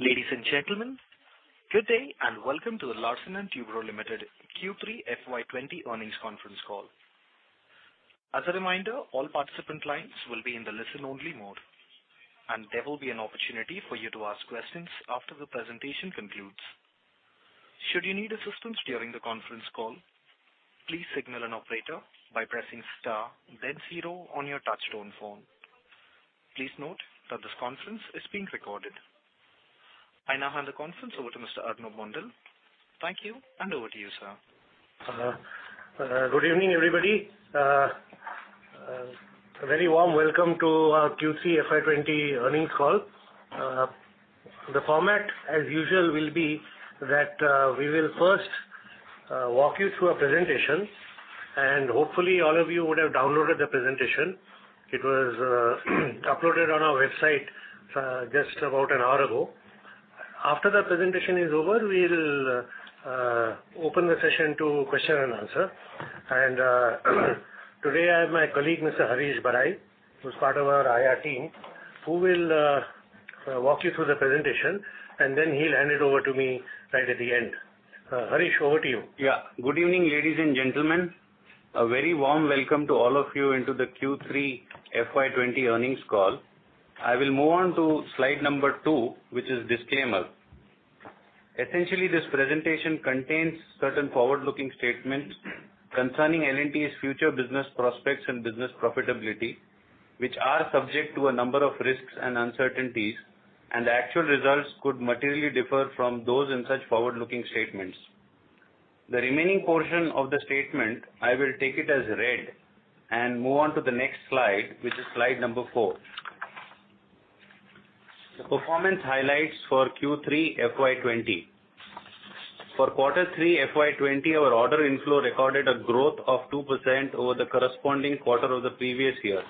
Ladies and gentlemen, good day and welcome to the Larsen & Toubro Limited Q3 FY 2020 earnings conference call. As a reminder, all participant lines will be in the listen-only mode, and there will be an opportunity for you to ask questions after the presentation concludes. Should you need assistance during the conference call, please signal an operator by pressing star then zero on your touchtone phone. Please note that this conference is being recorded. I now hand the conference over to Mr. Arnob Mondal. Thank you, and over to you, sir. Good evening, everybody. A very warm welcome to our Q3 FY 2020 earnings call. The format, as usual, will be that we will first walk you through a presentation, and hopefully, all of you would have downloaded the presentation. It was uploaded on our website just about an hour ago. After the presentation is over, we'll open the session to question and answer. Today I have my colleague, Mr. Harish Barai, who's part of our IR team, who will walk you through the presentation, and then he'll hand it over to me right at the end. Harish, over to you. Yeah. Good evening, ladies and gentlemen. A very warm welcome to all of you into the Q3 FY 2020 earnings call. I will move on to slide number 2, which is disclaimer. Essentially, this presentation contains certain forward-looking statements concerning L&T's future business prospects and business profitability, which are subject to a number of risks and uncertainties, and the actual results could materially differ from those in such forward-looking statements. The remaining portion of the statement, I will take it as read and move on to the next slide, which is slide number 4. The performance highlights for Q3 FY 2020. For quarter 3 FY 2020, our order inflow recorded a growth of 2% over the corresponding quarter of the previous year.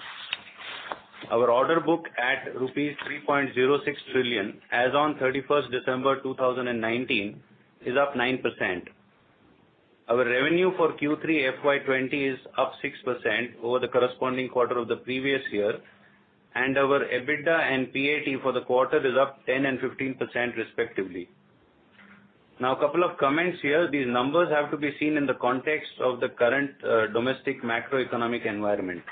Our order book at rupees 3.06 trillion as on 31st December 2019 is up 9%. Our revenue for Q3 FY 2020 is up 6% over the corresponding quarter of the previous year, and our EBITDA and PAT for the quarter is up 10% and 15% respectively. A couple of comments here. These numbers have to be seen in the context of the current domestic macroeconomic environment.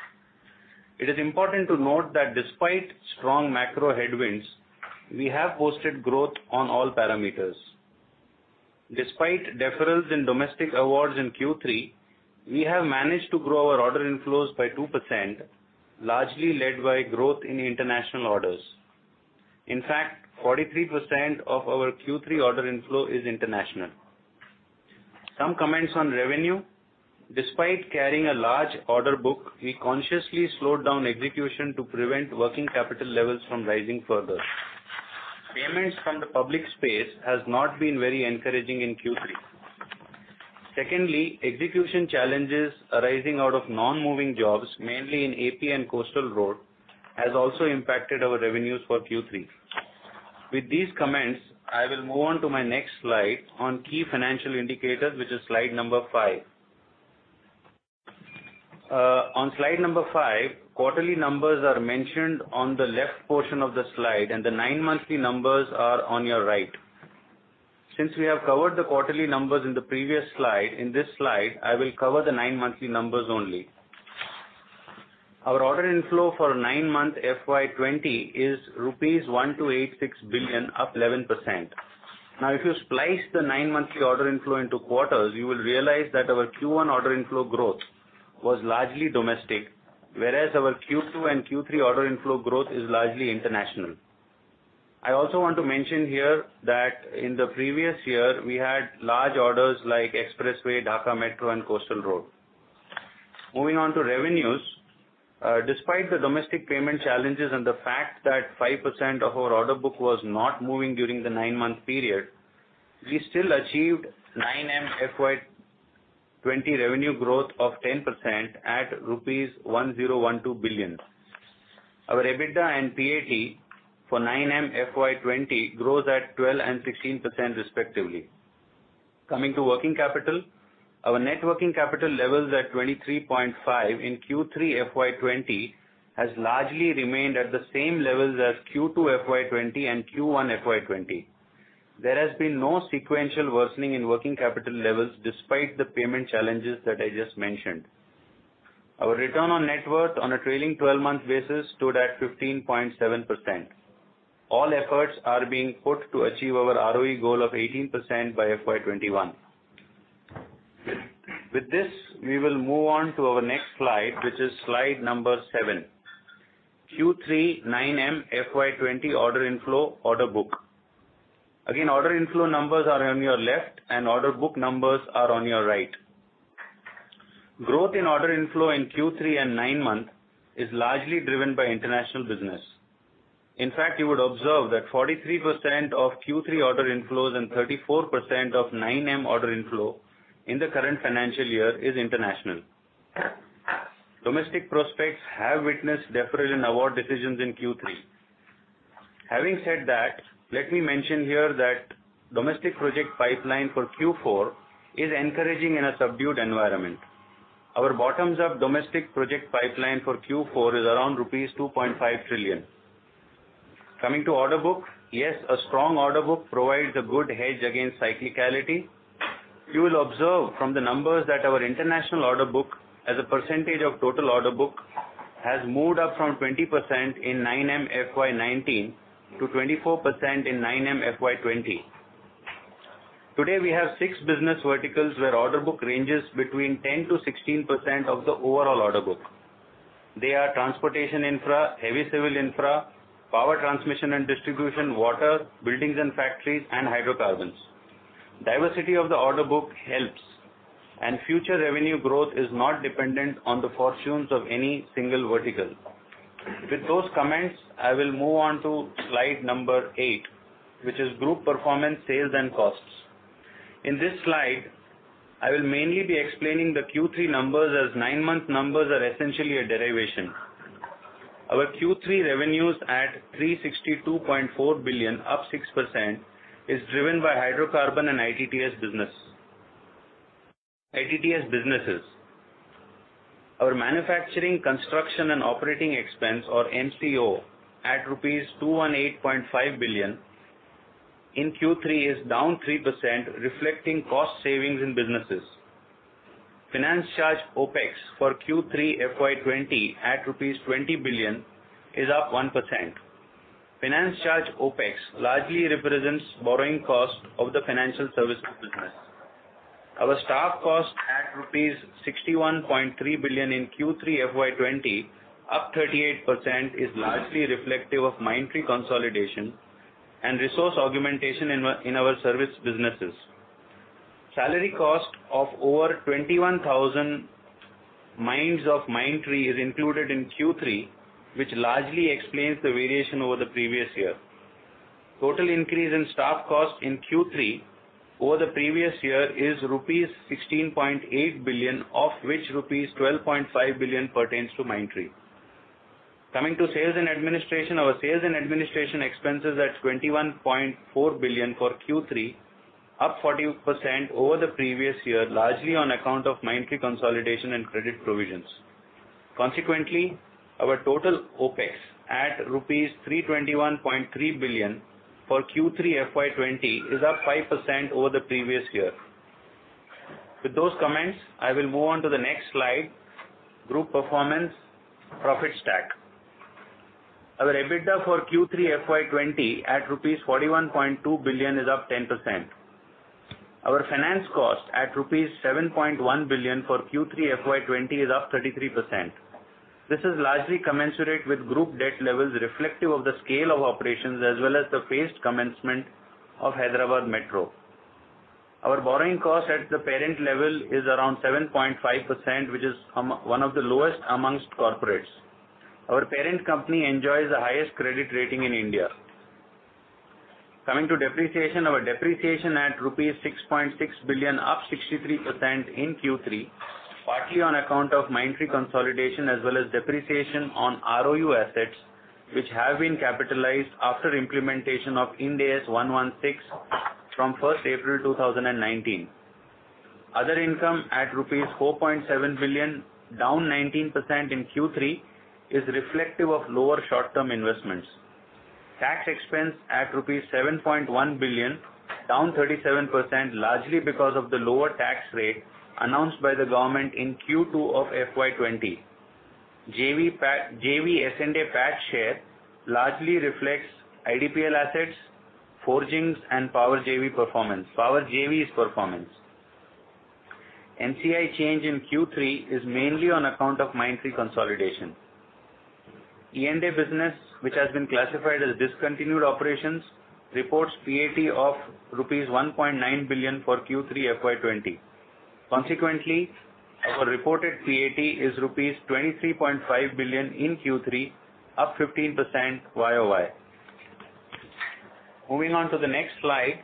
It is important to note that despite strong macro headwinds, we have posted growth on all parameters. Despite deferrals in domestic awards in Q3, we have managed to grow our order inflows by 2%, largely led by growth in international orders. In fact, 43% of our Q3 order inflow is international. Some comments on revenue. Despite carrying a large order book, we consciously slowed down execution to prevent working capital levels from rising further. Payments from the public space has not been very encouraging in Q3. Secondly, execution challenges arising out of non-moving jobs, mainly in AP and Coastal Road, has also impacted our revenues for Q3. With these comments, I will move on to my next slide on key financial indicators, which is slide number five. On slide number five, quarterly numbers are mentioned on the left portion of the slide, and the nine-month numbers are on your right. Since we have covered the quarterly numbers in the previous slide, in this slide, I will cover the nine-month numbers only. Our order inflow for nine-month FY 2020 is rupees 1,286 billion, up 11%. If you splice the nine-month order inflow into quarters, you will realize that our Q1 order inflow growth was largely domestic, whereas our Q2 and Q3 order inflow growth is largely international. I also want to mention here that in the previous year, we had large orders like Expressway, Dhaka Metro, and Coastal Road. Moving on to revenues. Despite the domestic payment challenges and the fact that 5% of our order book was not moving during the nine-month period, we still achieved 9M FY 2020 revenue growth of 10% at rupees 1,012 billion. Our EBITDA and PAT for 9M FY 2020 grows at 12% and 16% respectively. Coming to working capital. Our net working capital levels at 23.5 in Q3 FY 2020 has largely remained at the same levels as Q2 FY 2020 and Q1 FY 2020. There has been no sequential worsening in working capital levels despite the payment challenges that I just mentioned. Our return on net worth on a trailing 12-month basis stood at 15.7%. All efforts are being put to achieve our ROE goal of 18% by FY 2021. With this, we will move on to our next slide, which is slide number seven. Q3 9M FY 2020 order inflow, order book. Again, order inflow numbers are on your left, and order book numbers are on your right. Growth in order inflow in Q3 and nine month is largely driven by international business. In fact, you would observe that 43% of Q3 order inflows and 34% of 9M order inflow in the current financial year is international. Domestic prospects have witnessed deferral in award decisions in Q3. Having said that, let me mention here that domestic project pipeline for Q4 is encouraging in a subdued environment. Our bottoms-up domestic project pipeline for Q4 is around rupees 2.5 trillion. Coming to order book, yes, a strong order book provides a good hedge against cyclicality. You will observe from the numbers that our international order book, as a percentage of total order book, has moved up from 20% in nine months FY 2019 to 24% in nine months FY 2020. Today, we have six business verticals where order book ranges between 10%-16% of the overall order book. They are transportation infra, heavy civil infra, power transmission and distribution, water, buildings and factories, and hydrocarbons. Diversity of the order book helps. Future revenue growth is not dependent on the fortunes of any single vertical. With those comments, I will move on to slide number eight, which is group performance, sales, and costs. In this slide, I will mainly be explaining the Q3 numbers, as nine-month numbers are essentially a derivation. Our Q3 revenues at 362.4 billion, up 6%, is driven by hydrocarbon and ITTS businesses. Our manufacturing, construction, and operating expense, or MCO, at rupees 218.5 billion in Q3 is down 3%, reflecting cost savings in businesses. Finance charge OPEX for Q3 FY 2020 at rupees 20 billion is up 1%. Finance charge OPEX largely represents borrowing cost of the financial services business. Our staff cost at INR 61.3 billion in Q3 FY 2020, up 38%, is largely reflective of Mindtree consolidation and resource augmentation in our service businesses. Salary cost of over 21,000 minds of Mindtree is included in Q3, which largely explains the variation over the previous year. Total increase in staff cost in Q3 over the previous year is rupees 16.8 billion, of which rupees 12.5 billion pertains to Mindtree. Coming to sales and administration. Our sales and administration expenses at 21.4 billion for Q3, up 40% over the previous year, largely on account of Mindtree consolidation and credit provisions. Consequently, our total OpEx at INR 321.3 billion for Q3 FY 2020 is up 5% over the previous year. With those comments, I will move on to the next slide, group performance, profit stack. Our EBITDA for Q3 FY 2020 at rupees 41.2 billion is up 10%. Our finance cost at rupees 7.1 billion for Q3 FY 2020 is up 33%. This is largely commensurate with group debt levels reflective of the scale of operations as well as the phased commencement of Hyderabad Metro. Our borrowing cost at the parent level is around 7.5%, which is one of the lowest amongst corporates. Our parent company enjoys the highest credit rating in India. Coming to depreciation. Our depreciation at rupees 6.6 billion, up 63% in Q3, partly on account of Mindtree consolidation as well as depreciation on ROU assets, which have been capitalized after implementation of Ind AS 116 from 1st April 2019. Other income at rupees 4.7 billion, down 19% in Q3, is reflective of lower short-term investments. Tax expense at rupees 7.1 billion, down 37%, largely because of the lower tax rate announced by the government in Q2 of FY 2020. JV & Associate share largely reflects IDPL assets, forgings, and power JVs performance. NCI change in Q3 is mainly on account of Mindtree consolidation. E&A business, which has been classified as discontinued operations, reports PAT of rupees 1.9 billion for Q3 FY 2020. Our reported PAT is rupees 23.5 billion in Q3, up 15% YOY. Moving on to the next slide,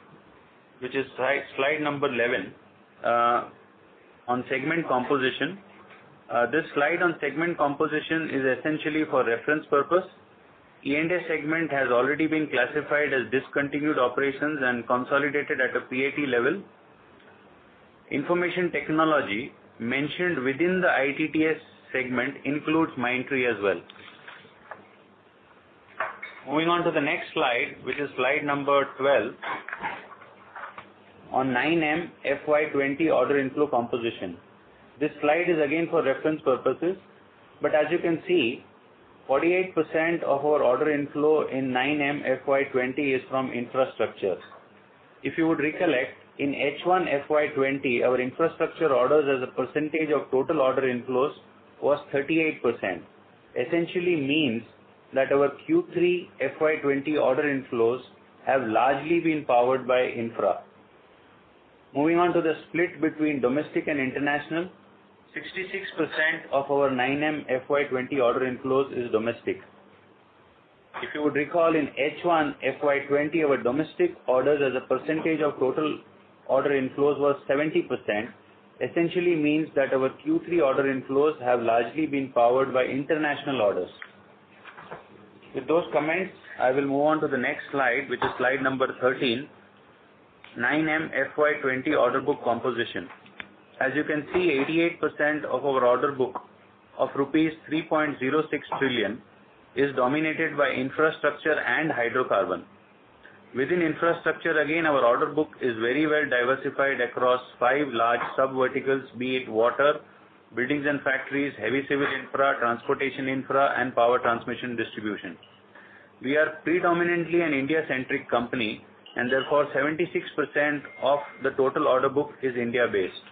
which is slide 11, on segment composition. This slide on segment composition is essentially for reference purpose. E&A segment has already been classified as discontinued operations and consolidated at a PAT level. Information technology mentioned within the ITTS segment includes Mindtree as well. Moving on to the next slide, which is slide number 12 on 9 months FY 2020 order inflow composition. This slide is again for reference purposes. As you can see, 48% of our order inflow in 9 months FY 2020 is from infrastructure. If you would recollect, in H1 FY 2020, our infrastructure orders as a percentage of total order inflows was 38%, essentially means that our Q3 FY 2020 order inflows have largely been powered by infra. Moving on to the split between domestic and international, 66% of our 9 months FY 2020 order inflows is domestic. If you would recall, in H1 FY 2020, our domestic orders as a percentage of total order inflows was 70%, essentially means that our Q3 order inflows have largely been powered by international orders. With those comments, I will move on to the next slide, which is slide number 13, 9M FY 2020 order book composition. As you can see, 88% of our order book of rupees 3.06 trillion is dominated by infrastructure and hydrocarbon. Within infrastructure, again, our order book is very well diversified across five large sub-verticals, be it water, buildings and factories, heavy civil infra, transportation infra, and power transmission distribution. Therefore, 76% of the total order book is India-based.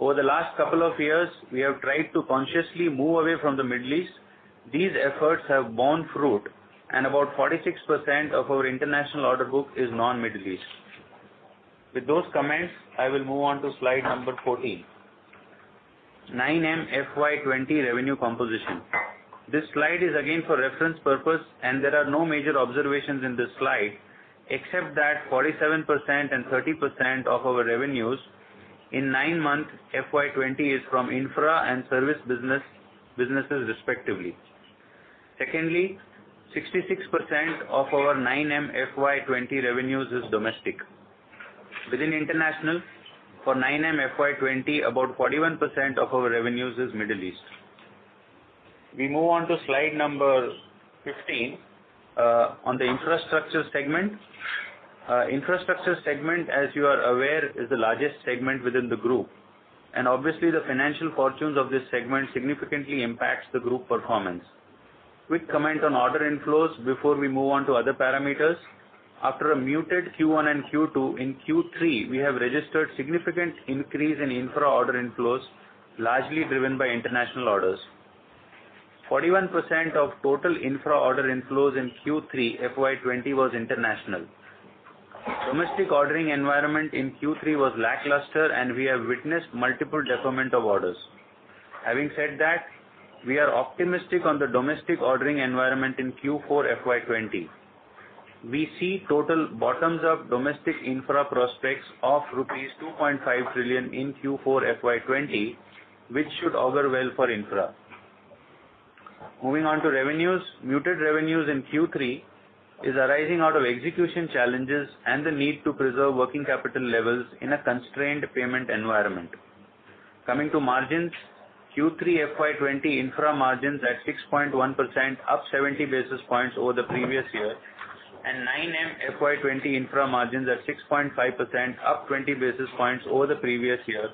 Over the last couple of years, we have tried to consciously move away from the Middle East. These efforts have borne fruit. About 46% of our international order book is non-Middle East. With those comments, I will move on to slide number 14. 9M FY 2020 revenue composition. This slide is again for reference purpose. There are no major observations in this slide, except that 47% and 30% of our revenues in 9-month FY 2020 is from infra and service businesses respectively. Secondly, 66% of our 9M FY 2020 revenues is domestic. Within international, for 9M FY 2020, about 41% of our revenues is Middle East. We move on to slide number 15 on the Infrastructure segment. Infrastructure segment, as you are aware, is the largest segment within the group. Obviously the financial fortunes of this segment significantly impacts the group performance. Quick comment on order inflows before we move on to other parameters. After a muted Q1 and Q2, in Q3, we have registered significant increase in infra order inflows, largely driven by international orders. 41% of total infra order inflows in Q3 FY 2020 was international. Domestic ordering environment in Q3 was lackluster, we have witnessed multiple deferment of orders. Having said that, we are optimistic on the domestic ordering environment in Q4 FY 2020. We see total bottoms-up domestic infra prospects of rupees 2.5 trillion in Q4 FY 2020, which should augur well for infra. Moving on to revenues. Muted revenues in Q3 is arising out of execution challenges and the need to preserve working capital levels in a constrained payment environment. Coming to margins, Q3 FY 2020 infra margins at 6.1%, up 70 basis points over the previous year, and 9M FY 2020 infra margins at 6.5%, up 20 basis points over the previous year,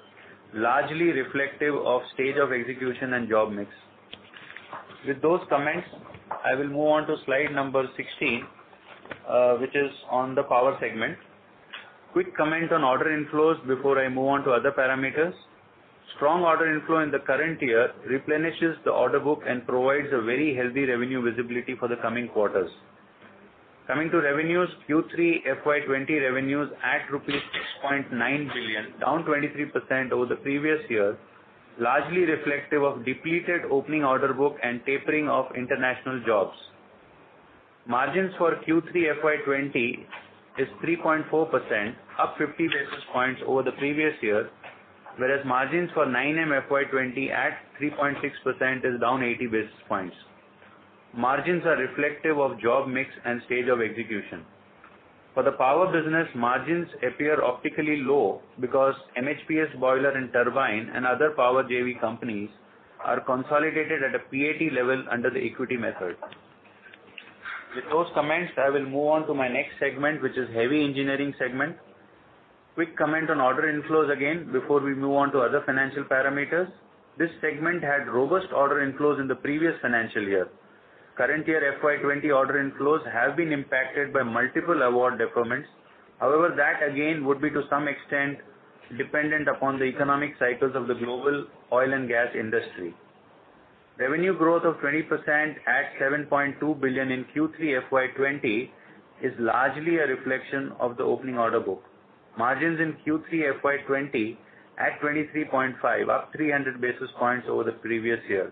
largely reflective of stage of execution and job mix. With those comments, I will move on to slide number 16, which is on the power segment. Quick comment on order inflows before I move on to other parameters. Strong order inflow in the current year replenishes the order book and provides a very healthy revenue visibility for the coming quarters. Coming to revenues, Q3 FY 2020 revenues at rupees 6.9 billion, down 23% over the previous year, largely reflective of depleted opening order book and tapering of international jobs. Margins for Q3 FY 2020 is 3.4%, up 50 basis points over the previous year, whereas margins for 9M FY 2020 at 3.6% is down 80 basis points. Margins are reflective of job mix and stage of execution. For the power business, margins appear optically low because MHPS boiler and turbine and other power JV companies are consolidated at a PAT level under the equity method. With those comments, I will move on to my next segment, which is heavy engineering segment. Quick comment on order inflows again before we move on to other financial parameters. This segment had robust order inflows in the previous financial year. Current year FY 2020 order inflows have been impacted by multiple award deferments. However, that again would be to some extent dependent upon the economic cycles of the global oil and gas industry. Revenue growth of 20% at 7.2 billion in Q3 FY 2020 is largely a reflection of the opening order book. Margins in Q3 FY 2020 at 23.5%, up 300 basis points over the previous year.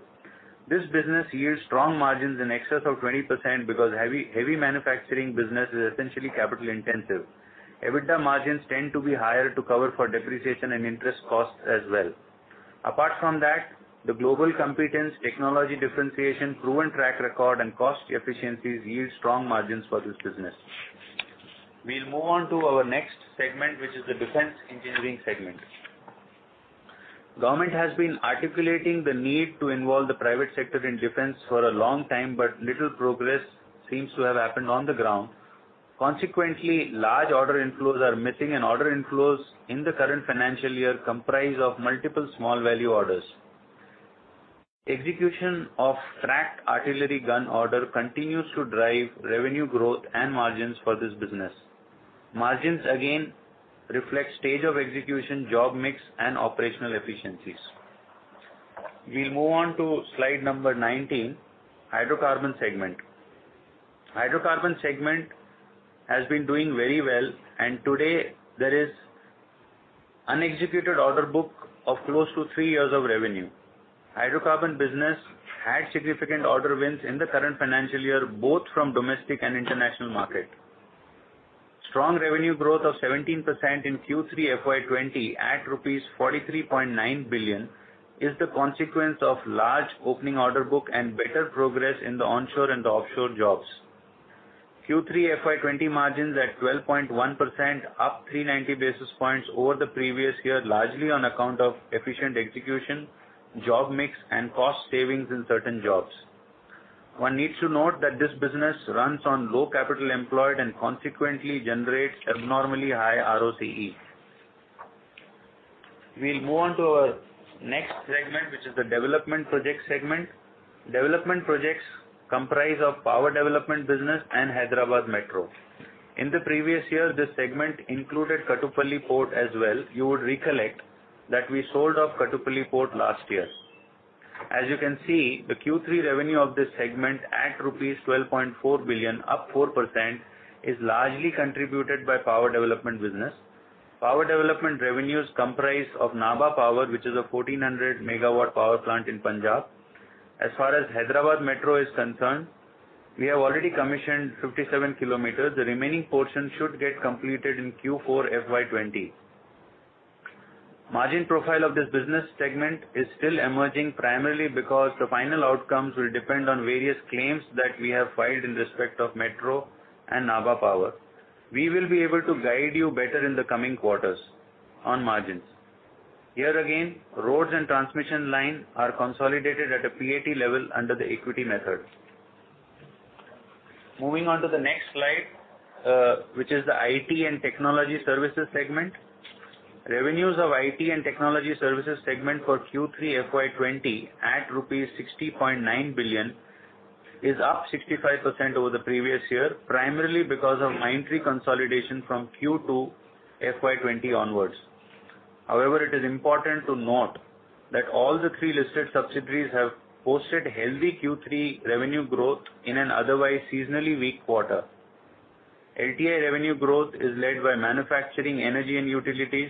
This business yields strong margins in excess of 20% because heavy manufacturing business is essentially capital intensive. EBITDA margins tend to be higher to cover for depreciation and interest costs as well. Apart from that, the global competence, technology differentiation, proven track record and cost efficiencies yield strong margins for this business. We'll move on to our next segment, which is the Defence Engineering segment. Government has been articulating the need to involve the private sector in Defence for a long time. Little progress seems to have happened on the ground. Consequently, large order inflows are missing and order inflows in the current financial year comprise of multiple small value orders. Execution of tracked artillery gun order continues to drive revenue growth and margins for this business. Margins again reflect stage of execution, job mix, and operational efficiencies. We'll move on to slide number 19, hydrocarbon segment. Hydrocarbon segment has been doing very well, today there is unexecuted order book of close to three years of revenue. Hydrocarbon business had significant order wins in the current financial year, both from domestic and international market. Strong revenue growth of 17% in Q3 FY 2020 at rupees 43.9 billion is the consequence of large opening order book and better progress in the onshore and the offshore jobs. Q3 FY 2020 margins at 12.1%, up 390 basis points over the previous year, largely on account of efficient execution, job mix, and cost savings in certain jobs. One needs to note that this business runs on low capital employed and consequently generates abnormally high ROCE. We'll move on to our next segment, which is the development project segment. Development projects comprise of power development business and Hyderabad Metro. In the previous year, this segment included Kattupalli Port as well. You would recollect that we sold off Kattupalli Port last year. As you can see, the Q3 revenue of this segment at INR 12.4 billion, up 4%, is largely contributed by power development business. Power development revenues comprise of Nabha Power, which is a 1,400 MW power plant in Punjab. As far as Hyderabad Metro is concerned, we have already commissioned 57 km. The remaining portion should get completed in Q4 FY 2020. Margin profile of this business segment is still emerging primarily because the final outcomes will depend on various claims that we have filed in respect of Metro and Nabha Power. We will be able to guide you better in the coming quarters on margins. Here again, roads and transmission line are consolidated at a PAT level under the equity method. Moving on to the next slide, which is the IT and technology services segment. Revenues of IT and technology services segment for Q3 FY 2020 at rupees 60.9 billion is up 65% over the previous year, primarily because of Mindtree consolidation from Q2 FY 2020 onwards. However, it is important to note that all the three listed subsidiaries have posted healthy Q3 revenue growth in an otherwise seasonally weak quarter. LTI revenue growth is led by manufacturing, energy and utilities,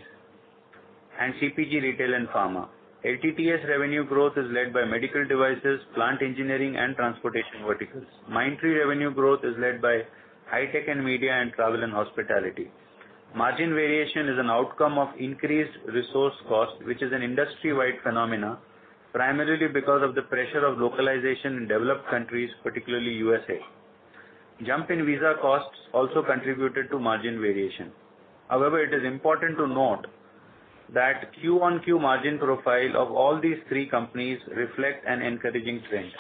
and CPG, retail, and pharma. LTTS revenue growth is led by medical devices, plant engineering, and transportation verticals. Mindtree revenue growth is led by high tech and media and travel and hospitality. Margin variation is an outcome of increased resource cost, which is an industry-wide phenomenon, primarily because of the pressure of localization in developed countries, particularly U.S.A. Jump in visa costs also contributed to margin variation. However, it is important to note that Q-on-Q margin profile of all these three companies reflects an encouraging trend.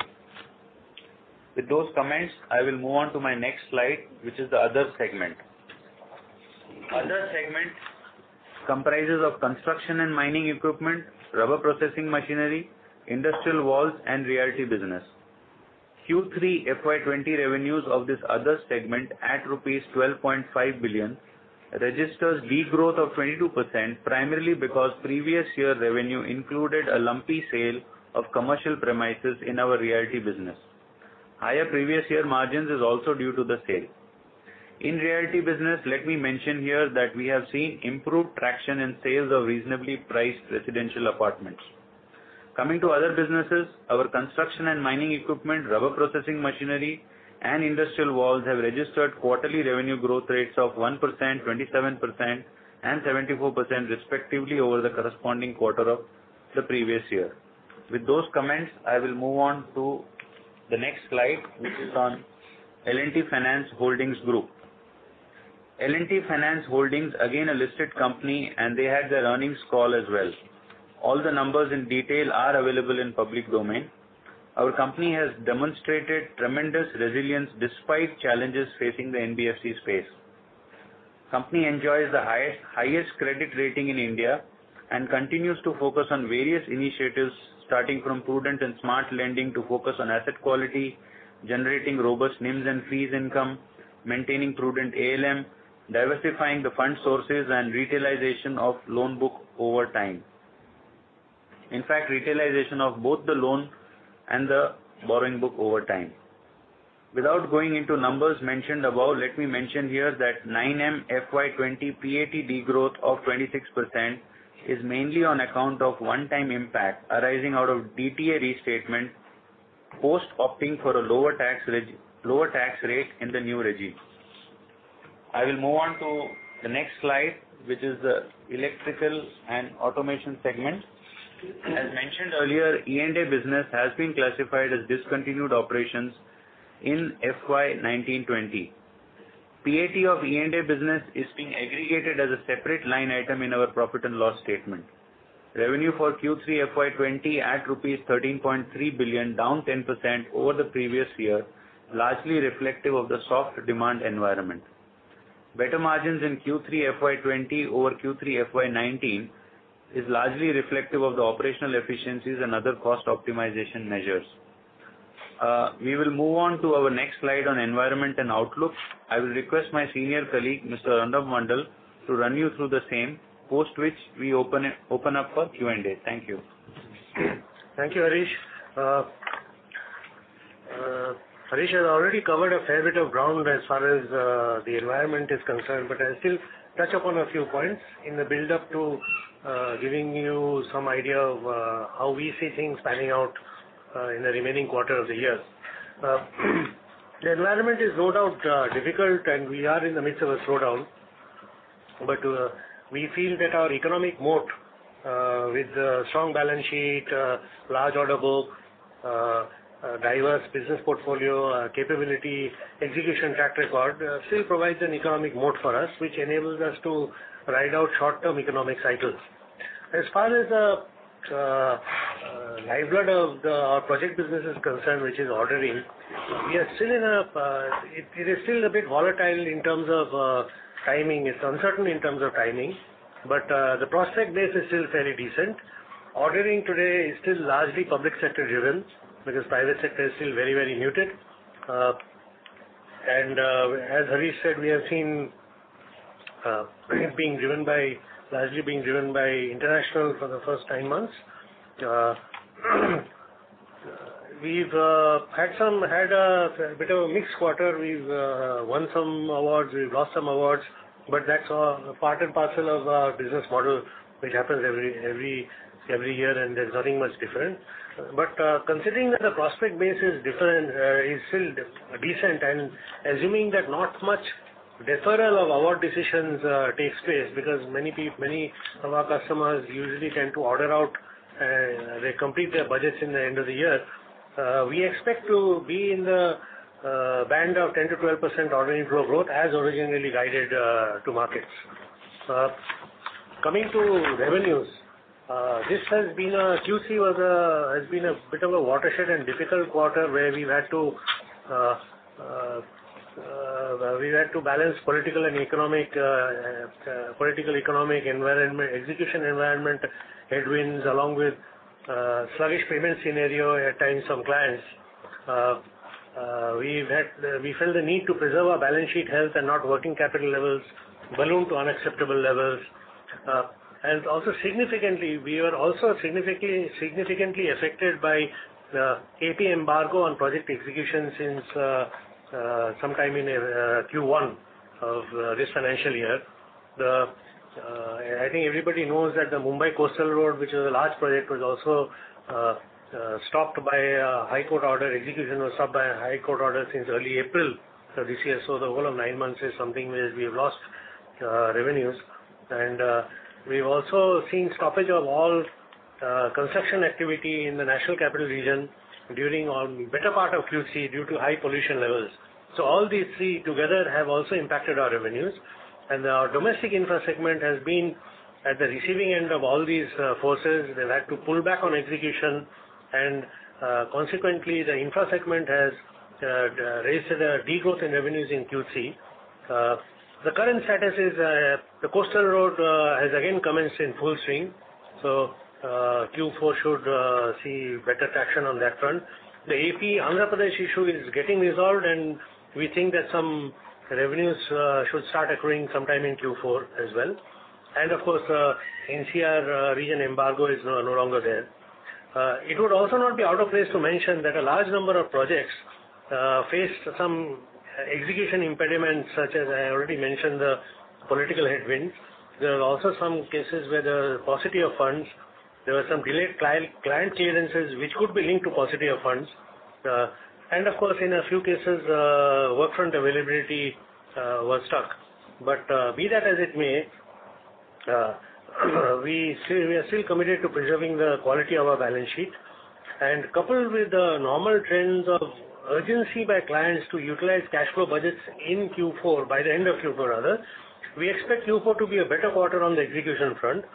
With those comments, I will move on to my next slide, which is the other segment. Other segment comprises of construction and mining equipment, rubber processing machinery, industrial valves, and realty business. Q3 FY 2020 revenues of this other segment at rupees 12.5 billion registered degrowth of 22%, primarily because previous year revenue included a lumpy sale of commercial premises in our realty business. Higher previous year margins is also due to the sale. In realty business, let me mention here that we have seen improved traction in sales of reasonably priced residential apartments. Coming to other businesses, our construction and mining equipment, rubber processing machinery, and industrial valves have registered quarterly revenue growth rates of 1%, 27%, and 74% respectively over the corresponding quarter of the previous year. With those comments, I will move on to the next slide, which is on L&T Finance Holdings Group. L&T Finance Holdings, again, a listed company, and they had their earnings call as well. All the numbers in detail are available in public domain. Our company has demonstrated tremendous resilience despite challenges facing the NBFC space. Company enjoys the highest credit rating in India and continues to focus on various initiatives, starting from prudent and smart lending to focus on asset quality, generating robust NIMs and fees income, maintaining prudent ALM, diversifying the fund sources, and retailization of loan book over time. In fact, retailization of both the loan and the borrowing book over time. Without going into numbers mentioned above, let me mention here that 9M FY 2020 PAT degrowth of 26% is mainly on account of one-time impact arising out of DTA restatement, post opting for a lower tax rate in the new regime. I will move on to the next slide, which is the electrical and automation segment. As mentioned earlier, E&A business has been classified as discontinued operations in FY 2019-2020. PAT of E&A business is being aggregated as a separate line item in our profit and loss statement. Revenue for Q3 FY 2020 at rupees 13.3 billion, down 10% over the previous year, largely reflective of the soft demand environment. Better margins in Q3 FY 2020 over Q3 FY 2019 is largely reflective of the operational efficiencies and other cost optimization measures. We will move on to our next slide on environment and outlook. I will request my senior colleague, Mr. Arnob Mondal, to run you through the same, post which we open up for Q&A. Thank you. Thank you, Harish. Harish has already covered a fair bit of ground as far as the environment is concerned, but I'll still touch upon a few points in the build-up to giving you some idea of how we see things panning out in the remaining quarter of the year. The environment is no doubt difficult, and we are in the midst of a slowdown. We feel that our economic moat with strong balance sheet, large order book, diverse business portfolio, capability, execution track record, still provides an economic moat for us, which enables us to ride out short-term economic cycles. As far as the lifeblood of our project business is concerned, which is ordering, it is still a bit volatile in terms of timing. It's uncertain in terms of timing. The prospect base is still fairly decent. Ordering today is still largely public sector-driven because the private sector is still very muted. As Harish said, we have seen it largely being driven by international for the first nine months. We've had a bit of a mixed quarter. We've won some awards, we've lost some awards, but that's part and parcel of our business model, which happens every year, and there's nothing much different. Considering that the prospect base is still decent and assuming that not much deferral of award decisions takes place because many of our customers usually tend to order out, they complete their budgets in the end of the year. We expect to be in the band of 10%-12% ordering growth as originally guided to markets. Coming to revenues. Q3 has been a bit of a watershed and difficult quarter where we had to balance political, economic, and execution environment headwinds, along with sluggish payment scenario at times from clients. We felt the need to preserve our balance sheet health and not working capital levels balloon to unacceptable levels. We were also significantly affected by AP embargo on project execution since sometime in Q1 of this financial year. I think everybody knows that the Mumbai Coastal Road, which was a large project, was also stopped by a high court order. Execution was stopped by a high court order since early April of this year. The whole of nine months is something where we have lost revenues. We've also seen stoppage of all construction activity in the National Capital Region during the better part of Q3 due to high pollution levels. All these three together have also impacted our revenues. Our domestic infra segment has been at the receiving end of all these forces. They've had to pull back on execution, and consequently, the infra segment has registered a degrowth in revenues in Q3. The current status is the coastal road has again commenced in full swing, so Q4 should see better traction on that front. The AP, Andhra Pradesh issue is getting resolved, and we think that some revenues should start accruing sometime in Q4 as well. Of course, NCR region embargo is no longer there. It would also not be out of place to mention that a large number of projects faced some execution impediments, such as I already mentioned, the political headwinds. There are also some cases where there was paucity of funds. There were some delayed client clearances, which could be linked to paucity of funds. Of course, in a few cases, work front availability was stuck. Be that as it may, we are still committed to preserving the quality of our balance sheet. Coupled with the normal trends of urgency by clients to utilize cash flow budgets by the end of Q4, we expect Q4 to be a better quarter on the execution front.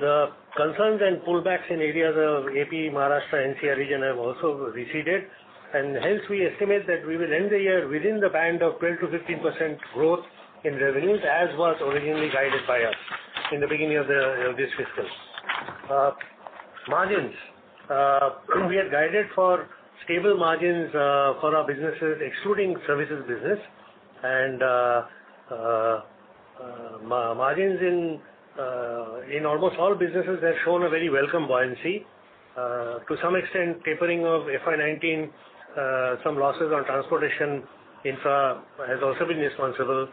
The concerns and pullbacks in areas of AP, Maharashtra, NCR region have also receded, and hence we estimate that we will end the year within the band of 12%-15% growth in revenues, as was originally guided by us in the beginning of this fiscal. Margins. We had guided for stable margins for our businesses, excluding services business, and margins in almost all businesses have shown a very welcome buoyancy. To some extent, tapering of FY 2019, some losses on transportation infra has also been responsible.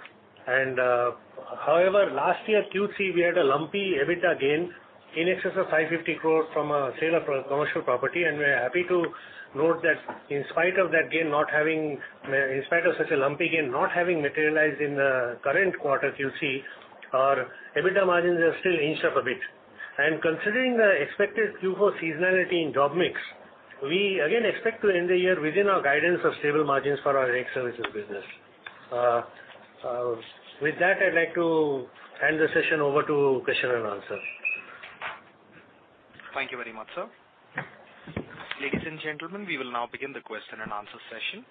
However, last year, Q3, we had a lumpy EBITDA gain in excess of 550 crore from a sale of commercial property, and we're happy to note that in spite of such a lumpy gain not having materialized in the current quarter, Q3, our EBITDA margins have still inched up a bit. Considering the expected Q4 seasonality in job mix, we again expect to end the year within our guidance of stable margins for our ex-services business. With that, I'd like to hand the session over to question and answer. Thank you very much, sir. Ladies and gentlemen, we will now begin the question and answer session.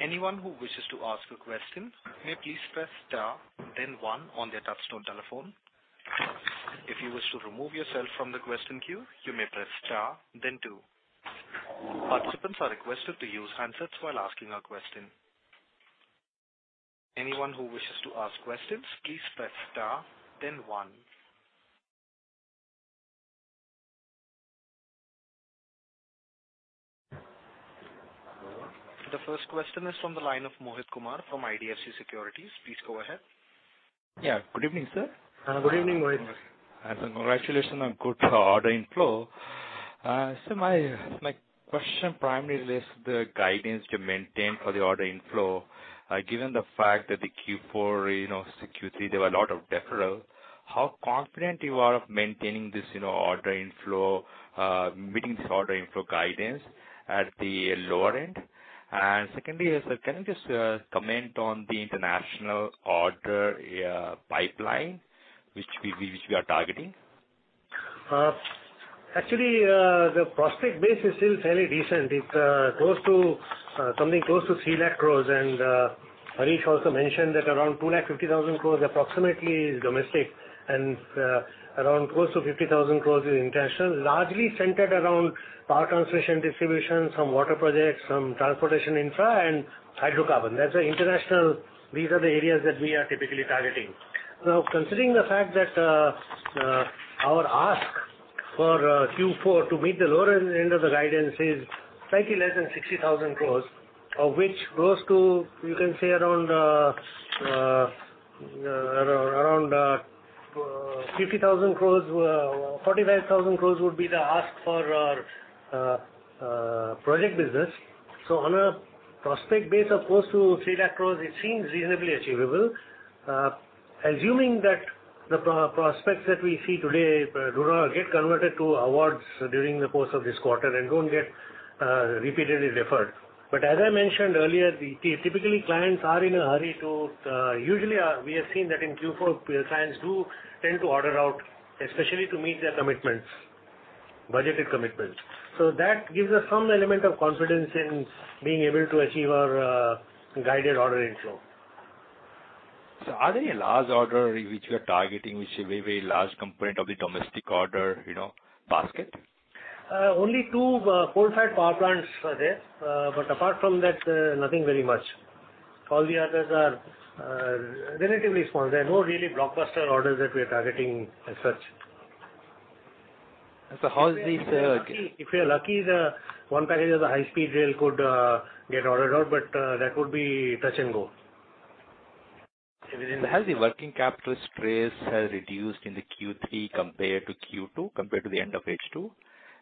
Anyone who wishes to ask a question may please press star, then one on their touchtone telephone. If you wish to remove yourself from the question queue, you may press star, then two. Participants are requested to use handsets while asking a question. Anyone who wishes to ask questions, please press star, then one. The first question is from the line of Mohit Kumar from IDFC Securities. Please go ahead. Yeah. Good evening, sir. Good evening, Mohit. Congratulations on good order inflow. My question primarily is the guidance to maintain for the order inflow. Given the fact that the Q4, Q3, there were a lot of deferrals, how confident you are of maintaining this order inflow, meeting this order inflow guidance at the lower end? Secondly, sir, can you just comment on the international order pipeline which we are targeting? The prospect base is still fairly decent. It's something close to 3 lakh crores, Harish also mentioned that around 250,000 crores approximately is domestic, and around close to 50,000 crores is international, largely centered around power transmission distribution, some water projects, some transportation infra, and hydrocarbon. That's international, these are the areas that we are typically targeting. Considering the fact that our ask for Q4 to meet the lower end of the guidance is slightly less than 60,000 crores, of which close to, you can say around 50,000 crores, 45,000 crores would be the ask for our project business. On a prospect base of close to 3 lakh crores, it seems reasonably achievable, assuming that the prospects that we see today get converted to awards during the course of this quarter and don't get repeatedly deferred. As I mentioned earlier, typically clients are in a hurry. Usually, we have seen that in Q4 clients do tend to order out, especially to meet their budgeted commitments. That gives us some element of confidence in being able to achieve our guided order inflow. Sir, are there any large orders which you are targeting, which is a very large component of the domestic order basket? Only two coal-fired power plants are there. Apart from that, nothing very much. All the others are relatively small. There are no really blockbuster orders that we are targeting as such. How is? If we are lucky, one package of the high-speed rail could get ordered out, but that would be touch and go. Has the working capital stress reduced in the Q3 compared to Q2, compared to the end of H2?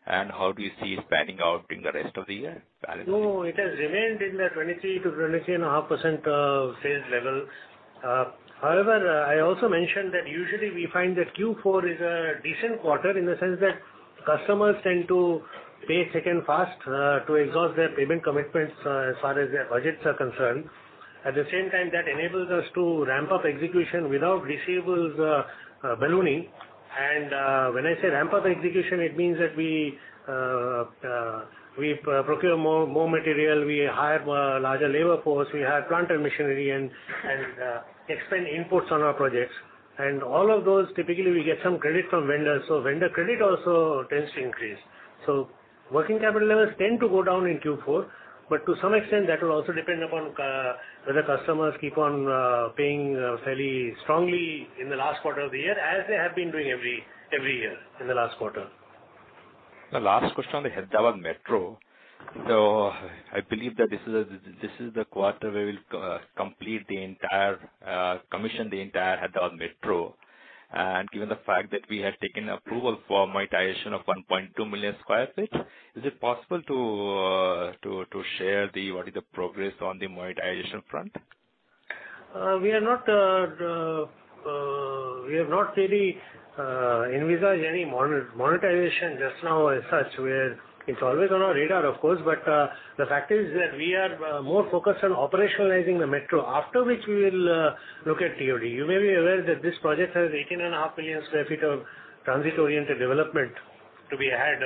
How do you see it panning out in the rest of the year? No, it has remained in the 23%-23.5% sales level. However, I also mentioned that usually we find that Q4 is a decent quarter in the sense that customers tend to pay so fast to exhaust their payment commitments as far as their budgets are concerned. At the same time, that enables us to ramp up execution without receivables ballooning. When I say ramp up execution, it means that we procure more material, we hire larger labor force, we hire plant and machinery, and expend inputs on our projects. All of those, typically, we get some credit from vendors, so vendor credit also tends to increase. Working capital levels tend to go down in Q4, but to some extent, that will also depend upon whether customers keep on paying fairly strongly in the last quarter of the year as they have been doing every year in the last quarter. The last question on the Hyderabad Metro. I believe that this is the quarter where you'll complete and commission the entire Hyderabad Metro. Given the fact that we have taken approval for monetization of 1.2 million square feet, is it possible to share what is the progress on the monetization front? We have not really envisaged any monetization just now as such. It's always on our radar, of course. The fact is that we are more focused on operationalizing the metro, after which we will look at TOD. You may be aware that this project has 18.5 million sq ft of Transit-Oriented Development to be had.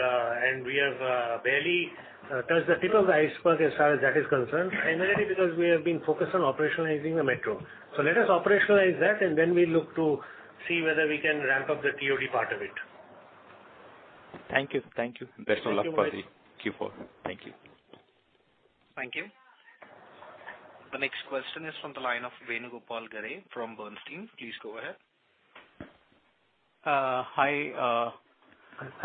We have barely touched the tip of the iceberg as far as that is concerned, primarily because we have been focused on operationalizing the metro. Let us operationalize that. We look to see whether we can ramp up the TOD part of it. Thank you. Thank you. Best of luck for the Q4. Thank you. Thank you. The next question is from the line of Venugopal Garre from Bernstein. Please go ahead. Hi. Hi,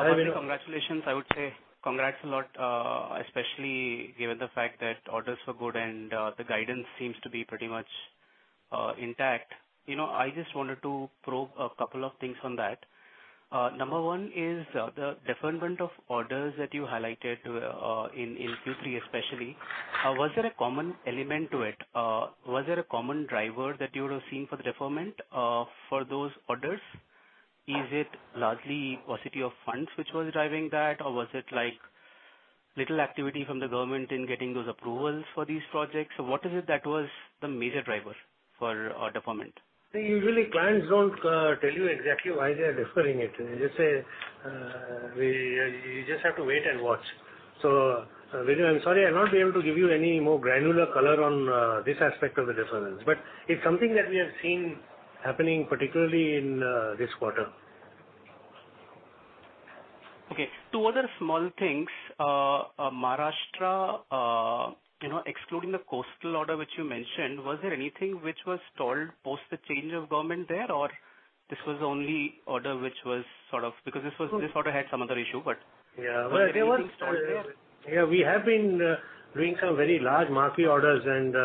Venugopal. Congratulations, I would say. Congrats a lot, especially given the fact that orders were good and the guidance seems to be pretty much intact. I just wanted to probe a couple of things on that. Number one is the deferment of orders that you highlighted in Q3 especially. Was there a common element to it? Was there a common driver that you would have seen for the deferment for those orders? Is it largely paucity of funds which was driving that, or was it little activity from the government in getting those approvals for these projects? What is it that was the major driver for order deferment? Usually, clients don't tell you exactly why they are deferring it. You just have to wait and watch. Venu, I'm sorry, I'll not be able to give you any more granular color on this aspect of the deferment. It's something that we have seen happening, particularly in this quarter. Okay. Two other small things. Maharashtra, excluding the coastal order which you mentioned, was there anything which was stalled post the change of government there, or this was the only order which was sort of? This order had some other issue. Yeah. We have been doing some very large marquee orders, and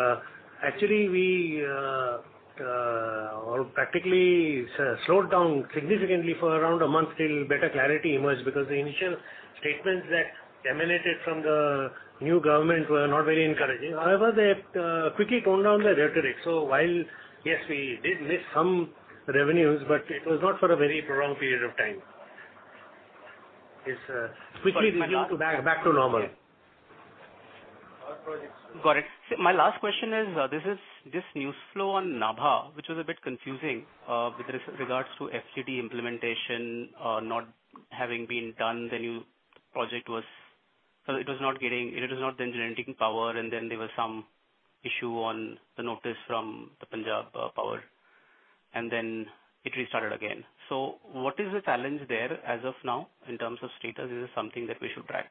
actually, we practically slowed down significantly for around a month till better clarity emerged, because the initial statements that emanated from the new government were not very encouraging. However, they quickly toned down the rhetoric. While, yes, we did miss some revenues, but it was not for a very prolonged period of time. It quickly returned back to normal. Got it. My last question is, this news flow on Nabha, which was a bit confusing, with regards to FGD implementation not having been done. The new project was not then generating power, and then there was some issue on the notice from the Punjab Power, and then it restarted again. What is the challenge there as of now in terms of status? Is it something that we should track?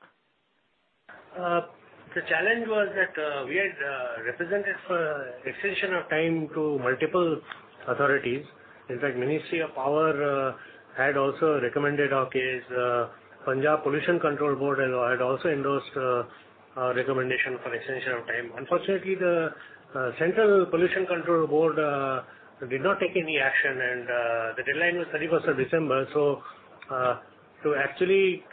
The challenge was that we had represented for extension of time to multiple authorities. In fact, Ministry of Power had also recommended our case. Punjab Pollution Control Board had also endorsed a recommendation for extension of time. Unfortunately, the Central Pollution Control Board did not take any action, and the deadline was 31st of December. To actually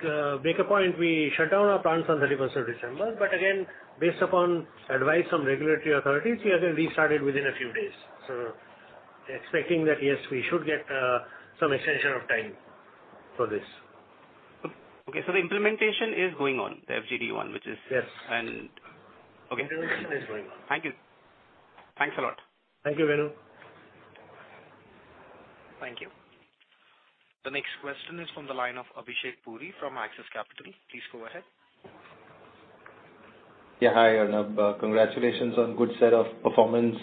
make a point, we shut down our plants on 31st of December. Again, based upon advice from regulatory authorities, we again restarted within a few days. Expecting that, yes, we should get some extension of time for this. Okay. The implementation is going on, the FGD one. Yes. Okay. Implementation is going on. Thank you. Thanks a lot. Thank you, Venugopal. Thank you. The next question is from the line of Abhishek Puri from Axis Capital. Please go ahead. Yeah. Hi, Arnob. Congratulations on good set of performance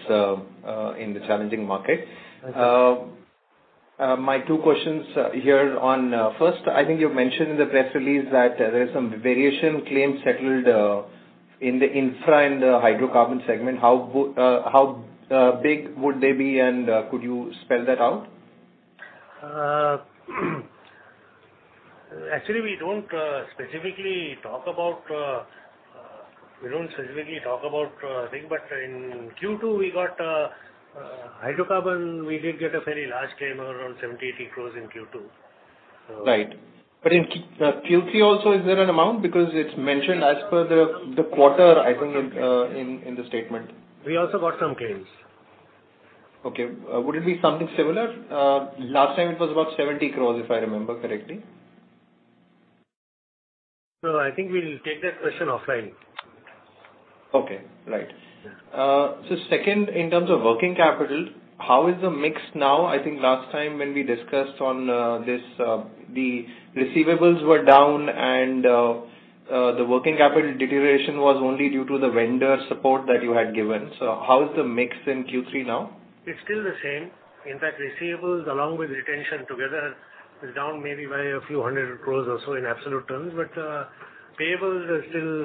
in the challenging market. Thank you. My two questions here, first, I think you mentioned in the press release that there is some variation claim settled in the infra and hydrocarbon segment. How big would they be? Could you spell that out? Actually, we don't specifically talk about thing, but in Q2, hydrocarbon, we did get a very large claim of around 70 crore-80 crore in Q2. Right. In Q3 also, is there an amount? It's mentioned as per the quarter, I think, in the statement. We also got some claims. Okay. Would it be something similar? Last time it was about 70 crores, if I remember correctly. No, I think we'll take that question offline. Okay. Right. Yeah. Second, in terms of working capital, how is the mix now? I think last time when we discussed on this, the receivables were down, and the working capital deterioration was only due to the vendor support that you had given. How is the mix in Q3 now? It's still the same. In fact, receivables along with retention together is down maybe by a few hundred crores or so in absolute terms. Payables are still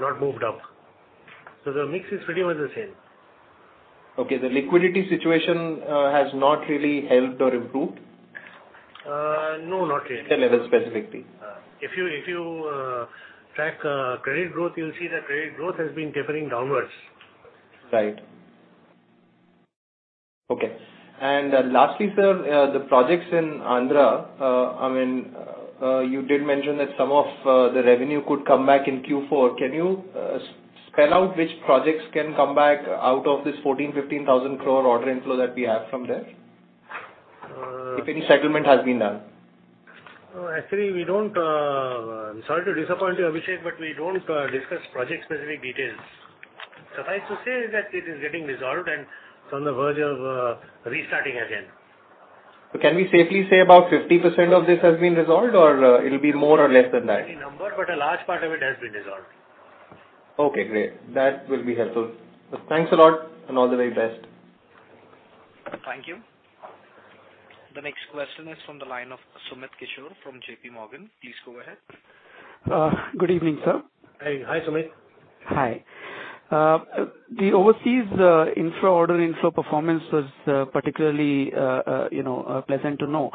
not moved up. The mix is pretty much the same. Okay. The liquidity situation has not really helped or improved? No, not really. At a level, specifically. If you track credit growth, you'll see that credit growth has been tapering downward. Right. Okay. Lastly, sir, the projects in Andhra, you did mention that some of the revenue could come back in Q4. Can you spell out which projects can come back out of this 14,000 crore-15,000 crore order inflow that we have from there? If any settlement has been done. Actually, sorry to disappoint you, Abhishek, but we don't discuss project-specific details. Suffice to say is that it is getting resolved and it's on the verge of restarting again. Can we safely say about 50% of this has been resolved, or it'll be more or less than that? I can't give you number, but a large part of it has been resolved. Okay, great. That will be helpful. Thanks a lot. All the very best. Thank you. The next question is from the line of Sumit Kishore from JP Morgan. Please go ahead. Good evening, sir. Hi, Sumit. Hi. The overseas infra order inflow performance was particularly pleasant to know.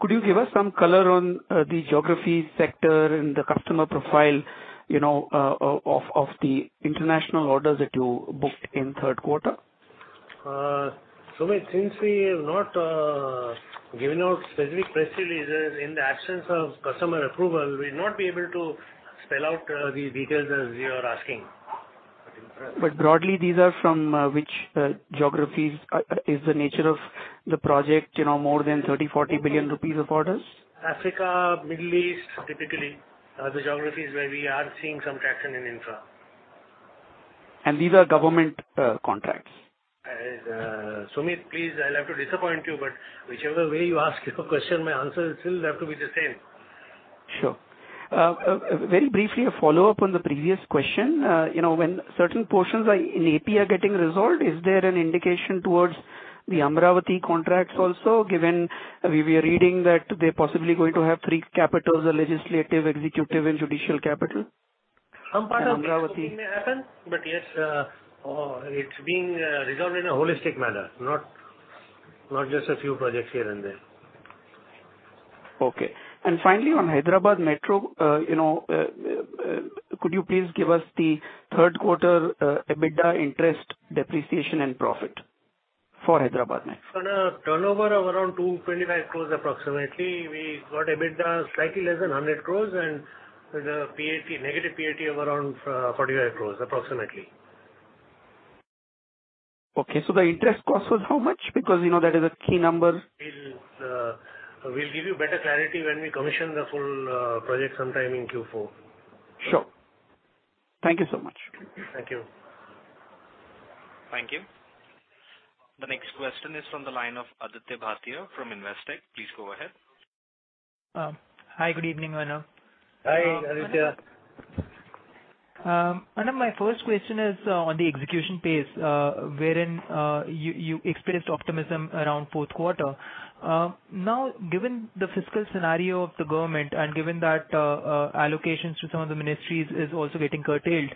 Could you give us some color on the geography sector and the customer profile of the international orders that you booked in third quarter? Sumit, since we have not given out specific press releases, in the absence of customer approval, we will not be able to spell out the details as you are asking. Broadly, these are from which geographies? Is the nature of the project more than 30 billion-40 billion rupees of orders? Africa, Middle East, typically, are the geographies where we are seeing some traction in infra. These are government contracts? Sumit, please, I'll have to disappoint you, but whichever way you ask your question, my answer will still have to be the same. Sure. Very briefly, a follow-up on the previous question. When certain portions in AP are getting resolved, is there an indication towards the Amaravati contracts also? Given we were reading that they're possibly going to have three capitals, a legislative, executive, and judicial capital. Some part of this may happen. Yes, it's being resolved in a holistic manner, not just a few projects here and there. Okay. Finally, on Hyderabad Metro, could you please give us the third quarter EBITDA interest, depreciation, and profit for Hyderabad Metro? On a turnover of around 225 crores approximately, we got EBITDA slightly less than 100 crores and a negative PAT of around 45 crores approximately. Okay, the interest cost was how much? Because that is a key number. We'll give you better clarity when we commission the full project sometime in Q4. Sure. Thank you so much. Thank you. Thank you. The next question is from the line of Aditya Bhartia from Investec. Please go ahead. Hi, good evening, Arnob. Hi, Aditya. Arnob, my first question is on the execution pace wherein you experienced optimism around fourth quarter. Given the fiscal scenario of the government and given that allocations to some of the ministries is also getting curtailed,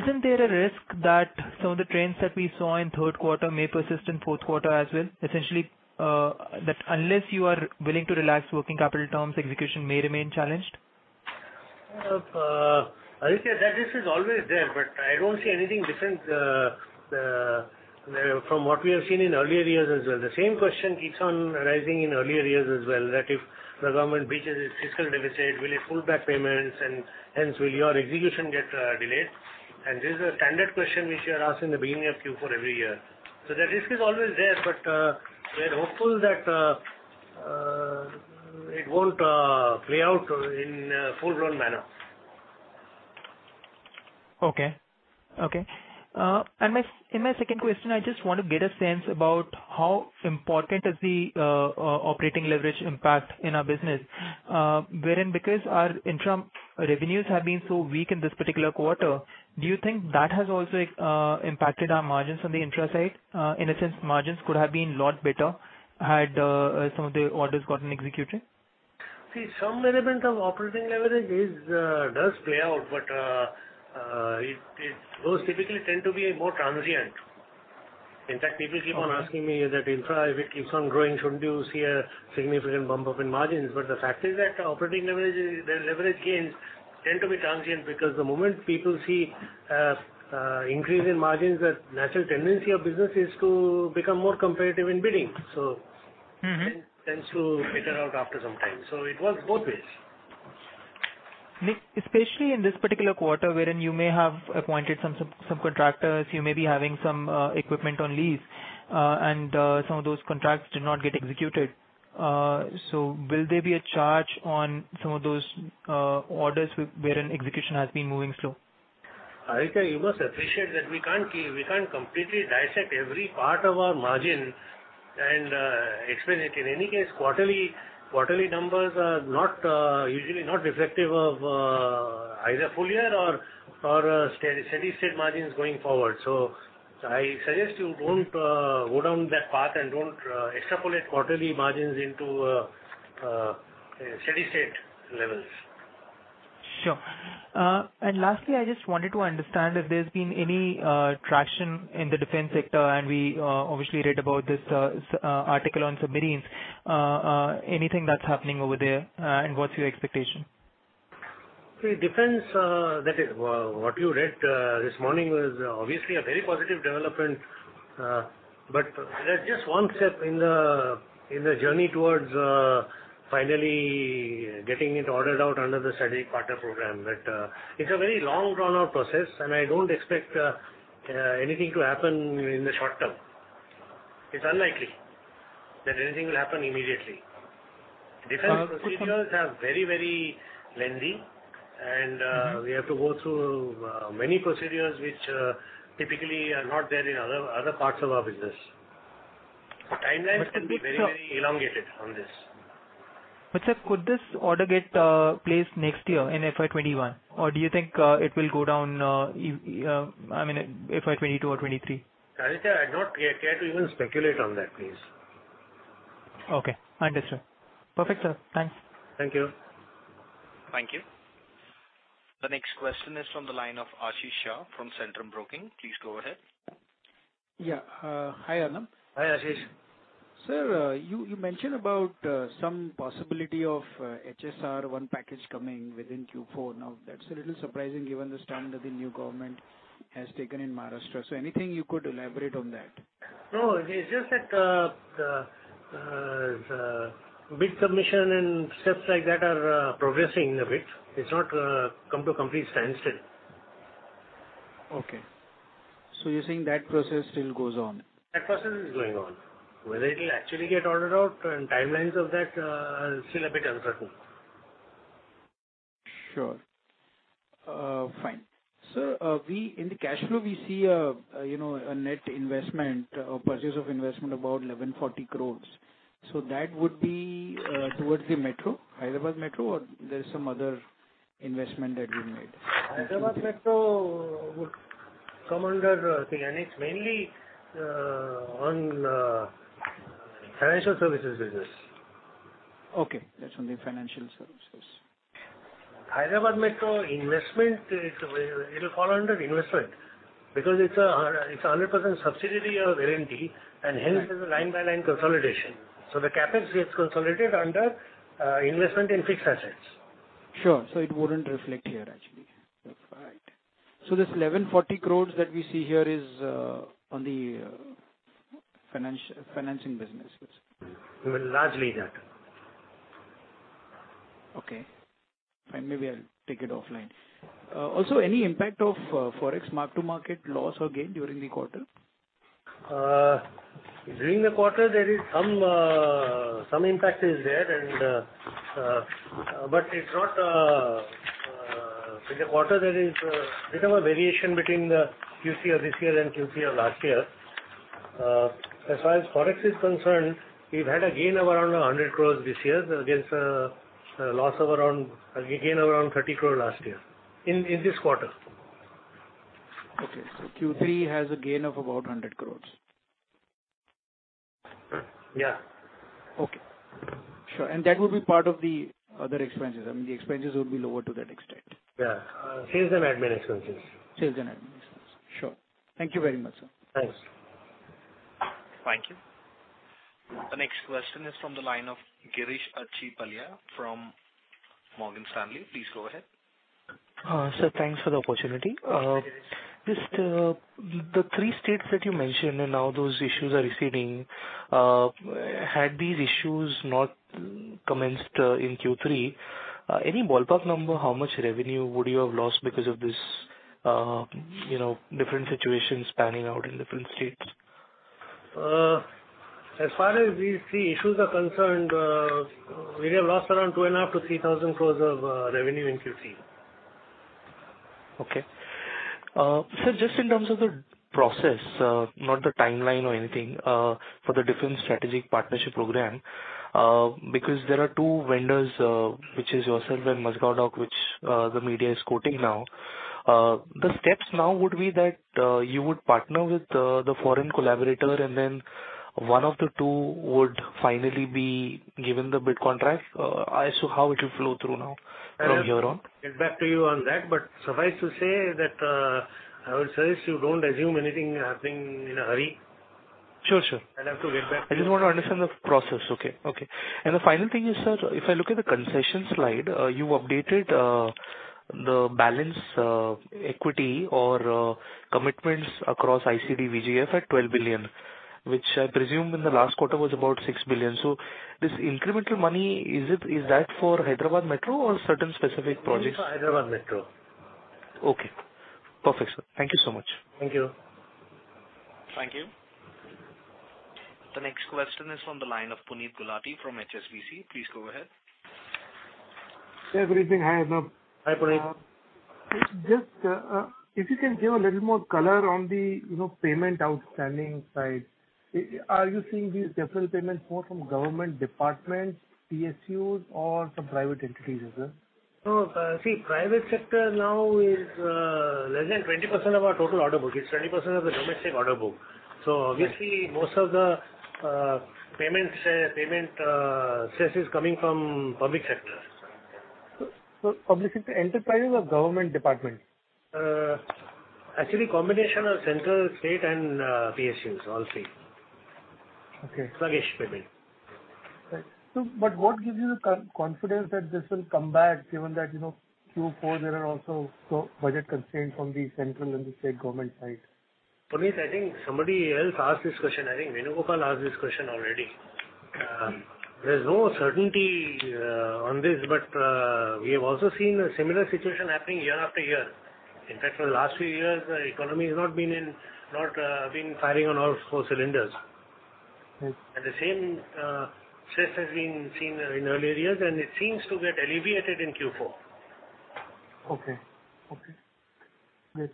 isn't there a risk that some of the trends that we saw in third quarter may persist in fourth quarter as well? Essentially, that unless you are willing to relax working capital terms, execution may remain challenged? Aditya, that risk is always there, I don't see anything different from what we have seen in earlier years as well. The same question keeps on arising in earlier years as well, that if the government breaches its fiscal deficit, will it pull back payments and hence will your execution get delayed? This is a standard question which you are asked in the beginning of Q4 every year. The risk is always there, but we're hopeful that it won't play out in a full-blown manner. Okay. In my second question, I just want to get a sense about how important is the operating leverage impact in our business, wherein because our infra revenues have been so weak in this particular quarter, do you think that has also impacted our margins on the infra side? In a sense, margins could have been lot better had some of the orders gotten executed. Some element of operating leverage does play out, but those typically tend to be more transient. In fact, people keep on asking me that infra, if it keeps on growing, shouldn't you see a significant bump up in margins? The fact is that operating leverage gains tend to be transient because the moment people see increase in margins, the natural tendency of business is to become more competitive in bidding. It tends to peter out after some time. It works both ways. Especially in this particular quarter, wherein you may have appointed some contractors, you may be having some equipment on lease, some of those contracts did not get executed. Will there be a charge on some of those orders wherein execution has been moving slow? Aditya, you must appreciate that we can't completely dissect every part of our margin and explain it. In any case, quarterly numbers are usually not reflective of either full year or steady state margins going forward. I suggest you don't go down that path and don't extrapolate quarterly margins into steady state levels. Sure. Lastly, I just wanted to understand if there's been any traction in the defense sector, and we obviously read about this article on submarines. Anything that's happening over there, and what's your expectation? See, defense, that is what you read this morning was obviously a very positive development, but that's just one step in the journey towards finally getting it ordered out under the Strategic Partner Program. It's a very long drawn-out process, and I don't expect anything to happen in the short term. It's unlikely that anything will happen immediately. Defense procedures are very lengthy, and we have to go through many procedures which typically are not there in other parts of our business. Timelines can be very elongated on this. Sir, could this order get placed next year in FY 2021? Do you think it will go down, I mean, FY 2022 or 2023? Aditya, I'd not care to even speculate on that, please. Okay, understood. Perfect, sir. Thanks. Thank you. Thank you. The next question is from the line of Amish Shah from Centrum Broking. Please go ahead. Yeah. Hi, Arnob. Hi, Amish. Sir, you mentioned about some possibility of HSR one package coming within Q4. That's a little surprising given the stand that the new government has taken in Maharashtra. Anything you could elaborate on that? No, it's just that the bid submission and steps like that are progressing a bit. It's not come to a complete standstill. Okay. You're saying that process still goes on? That process is going on. Whether it'll actually get ordered out and timelines of that are still a bit uncertain. Sure. Fine. Sir, in the cash flow, we see a net investment or purchase of investment about 1,140 crore. That would be towards the metro, Hyderabad Metro, or there's some other investment that we made? Hyderabad Metro would come under. It's mainly on financial services business. Okay. That's from the financial services. Hyderabad Metro investment, it will fall under investment because it's 100% subsidiary of L&T and hence there's a line-by-line consolidation. The CapEx gets consolidated under investment in fixed assets. Sure. It wouldn't reflect here, actually. Right. This 1,140 crores that we see here is on the financing business. It will largely that. Okay. Fine. Maybe I'll take it offline. Also, any impact of forex mark-to-market loss or gain during the quarter? During the quarter, some impact is there. In the quarter, there is bit of a variation between the Q3 of this year and Q3 of last year. As far as forex is concerned, we've had a gain of around 100 crore this year against a gain of around 30 crore last year, in this quarter. Okay. Q3 has a gain of about 100 crores. Yeah. Okay. Sure. That would be part of the other expenses. I mean, the expenses would be lower to that extent. Yeah. Sales and admin expenses. Sales and admin expenses. Sure. Thank you very much, sir. Thanks. Thank you. The next question is from the line of Girish Achhipalia from Morgan Stanley. Please go ahead. Sir, thanks for the opportunity. Hi, Girish. Just the three states that you mentioned and now those issues are receding. Had these issues not commenced in Q3, any ballpark number, how much revenue would you have lost because of these different situations panning out in different states? As far as these three issues are concerned, we have lost around two and a half thousand crores - 3,000 crores of revenue in Q3. Okay. Sir, just in terms of the process, not the timeline or anything, for the Defence Strategic Partnership Program, because there are two vendors, which is yourself and Mazagon Dock, which the media is quoting now. The steps now would be that you would partner with the foreign collaborator and then one of the two would finally be given the bid contract. How would you flow through now from here on? I'll get back to you on that, but suffice to say that I would suggest you don't assume anything happening in a hurry. Sure. I'll have to get back to you. I just want to understand the process. Okay. The final thing is, sir, if I look at the concession slide, you updated the balance equity or commitments across IDPL/VGF at 12 billion, which I presume in the last quarter was about 6 billion. This incremental money, is that for Hyderabad Metro or certain specific projects? It is for Hyderabad Metro. Okay. Perfect, sir. Thank you so much. Thank you. Thank you. The next question is from the line of Puneet Gulati from HSBC. Please go ahead. Good evening. Hi, Arnob. Hi, Puneet. Just if you can give a little more color on the payment outstanding side. Are you seeing these deferred payments more from government departments, PSUs, or from private entities as well? No. See, private sector now is less than 20% of our total order book. It's 20% of the domestic order book. Obviously, most of the payment stress is coming from public sector. Public sector enterprises or government department? Actually, combination of central, state, and PSUs, all three. Okay. Slowish payment. Right. What gives you the confidence that this will come back given that Q4, there are also budget constraints from the central and the state government side? Puneet, I think somebody else asked this question. I think Mohit Kumar asked this question already. There is no certainty on this, but we have also seen a similar situation happening year after year. In fact, for the last few years, the economy has not been firing on all four cylinders. Okay. The same stress has been seen in earlier years, and it seems to get alleviated in Q4. Okay. Great.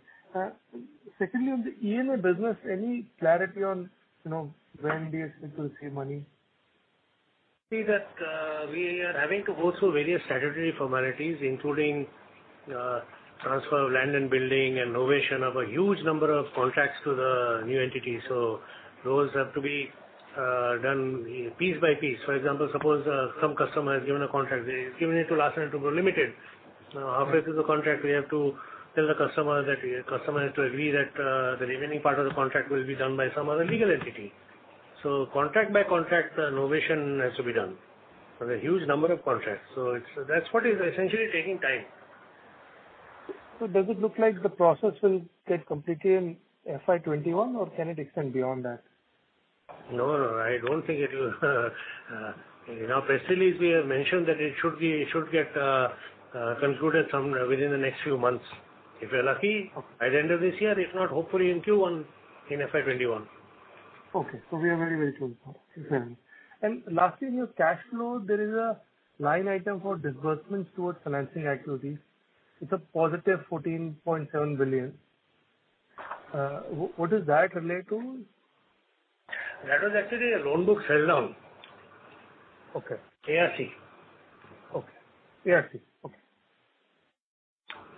Secondly, on the E&A business, any clarity on when L&T will see money? See that we are having to go through various statutory formalities, including transfer of land and building and novation of a huge number of contracts to the new entity. Those have to be done piece by piece. For example, suppose some customer has given a contract. They've given it to Larsen & Toubro Limited. After this is a contract, we have to tell the customer that the customer has to agree that the remaining part of the contract will be done by some other legal entity. Contract by contract, the novation has to be done for the huge number of contracts. That's what is essentially taking time. Does it look like the process will get completed in FY 2021, or can it extend beyond that? No, I don't think it will. Press release we have mentioned that it should get concluded within the next few months. If we're lucky, by the end of this year. If not, hopefully in Q1 in FY 2021. Okay. We are very, very close. Yes. Lastly, in your cash flow, there is a line item for disbursements towards financing activities. It's a positive 14.7 billion. What does that relate to? That was actually a loan book sell-down. Okay. ARC. Okay. ARC. Okay.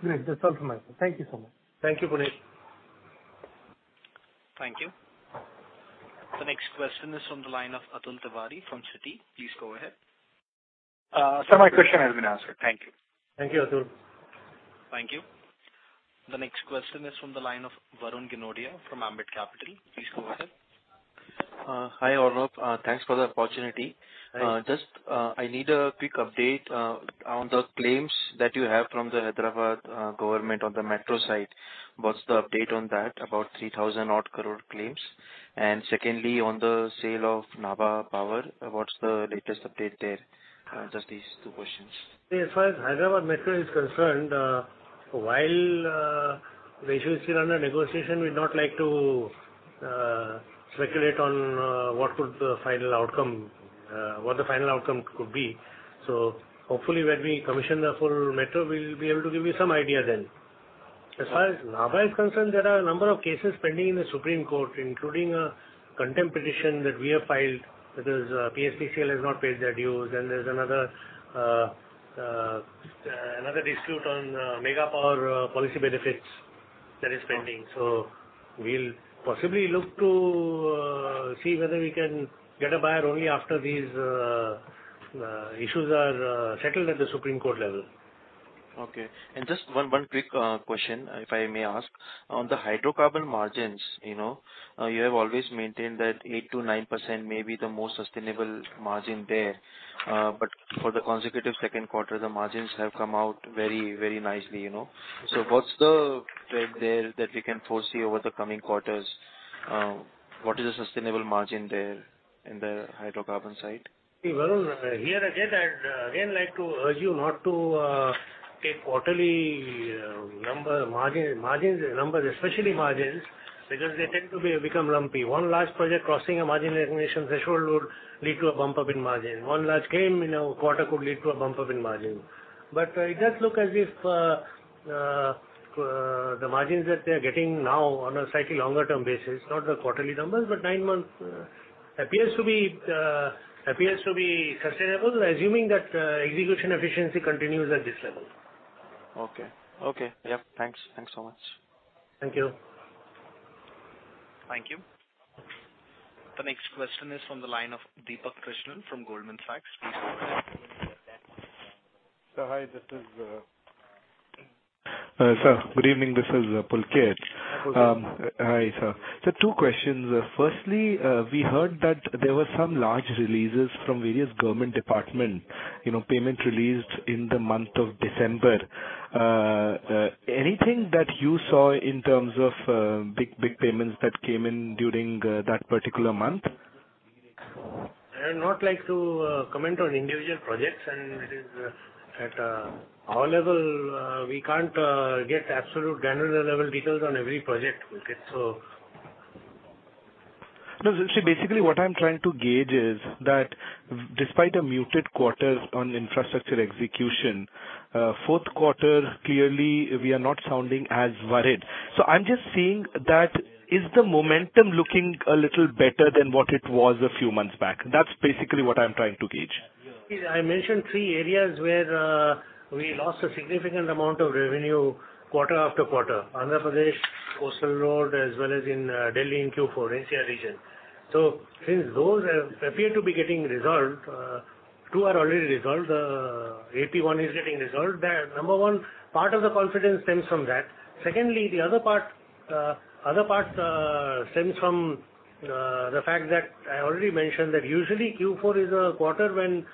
Great. That's all from my side. Thank you so much. Thank you, Puneet. Thank you. The next question is from the line of Atul Tiwari from Citi. Please go ahead. Sir, my question has been answered. Thank you. Thank you, Atul. Thank you. The next question is from the line of Varun Ginodia from Ambit Capital. Please go ahead. Hi, Arnob. Thanks for the opportunity. Hi. Just, I need a quick update on the claims that you have from the Hyderabad government on the metro site. What's the update on that? About 3,000 odd crore claims. Secondly, on the sale of Nabha Power, what's the latest update there? Just these two questions. As far as Hyderabad Metro is concerned, while the issue is still under negotiation, we'd not like to speculate on what the final outcome could be. Hopefully when we commission the full metro, we'll be able to give you some idea then. As far as Nabha Power is concerned, there are a number of cases pending in the Supreme Court, including a contempt petition that we have filed because PSPCL has not paid their dues. There's another dispute on Mega Power Policy benefits that is pending. We'll possibly look to see whether we can get a buyer only after these issues are settled at the Supreme Court level. Okay. Just one quick question, if I may ask. On the hydrocarbon margins, you have always maintained that 8%-9% may be the most sustainable margin there. For the consecutive second quarter, the margins have come out very nicely. What's the trend there that we can foresee over the coming quarters? What is the sustainable margin there in the hydrocarbon side? Varun, here again, I'd like to urge you not to take quarterly margins numbers, especially margins, because they tend to become lumpy. One large project crossing a margin recognition threshold would lead to a bump up in margin. One large claim in a quarter could lead to a bump up in margin. It does look as if the margins that they're getting now on a slightly longer term basis, not the quarterly numbers, but nine months, appears to be sustainable, assuming that execution efficiency continues at this level. Okay. Yeah. Thanks so much. Thank you. Thank you. The next question is from the line of Deepak Krishnan from Goldman Sachs. Please go ahead. Sir, good evening. This is Pulkit. Pulkit. Hi, sir. Sir, two questions. Firstly, we heard that there were some large releases from various government department, payment released in the month of December. Anything that you saw in terms of big payments that came in during that particular month? I would not like to comment on individual projects, and at our level, we can't get absolute granular level details on every project, Pulkit. No, sir, basically what I'm trying to gauge is that despite a muted quarter on infrastructure execution, fourth quarter, clearly we are not sounding as worried. I'm just seeing that, is the momentum looking a little better than what it was a few months back? That's basically what I'm trying to gauge. I mentioned three areas where we lost a significant amount of revenue quarter-after-quarter. Andhra Pradesh coastal road, as well as in Delhi in Q4, NCR region. Since those appear to be getting resolved, two are already resolved. AP one is getting resolved. Number one, part of the confidence stems from that. Secondly, the other part stems from the fact that I already mentioned that usually Q4 is a quarter when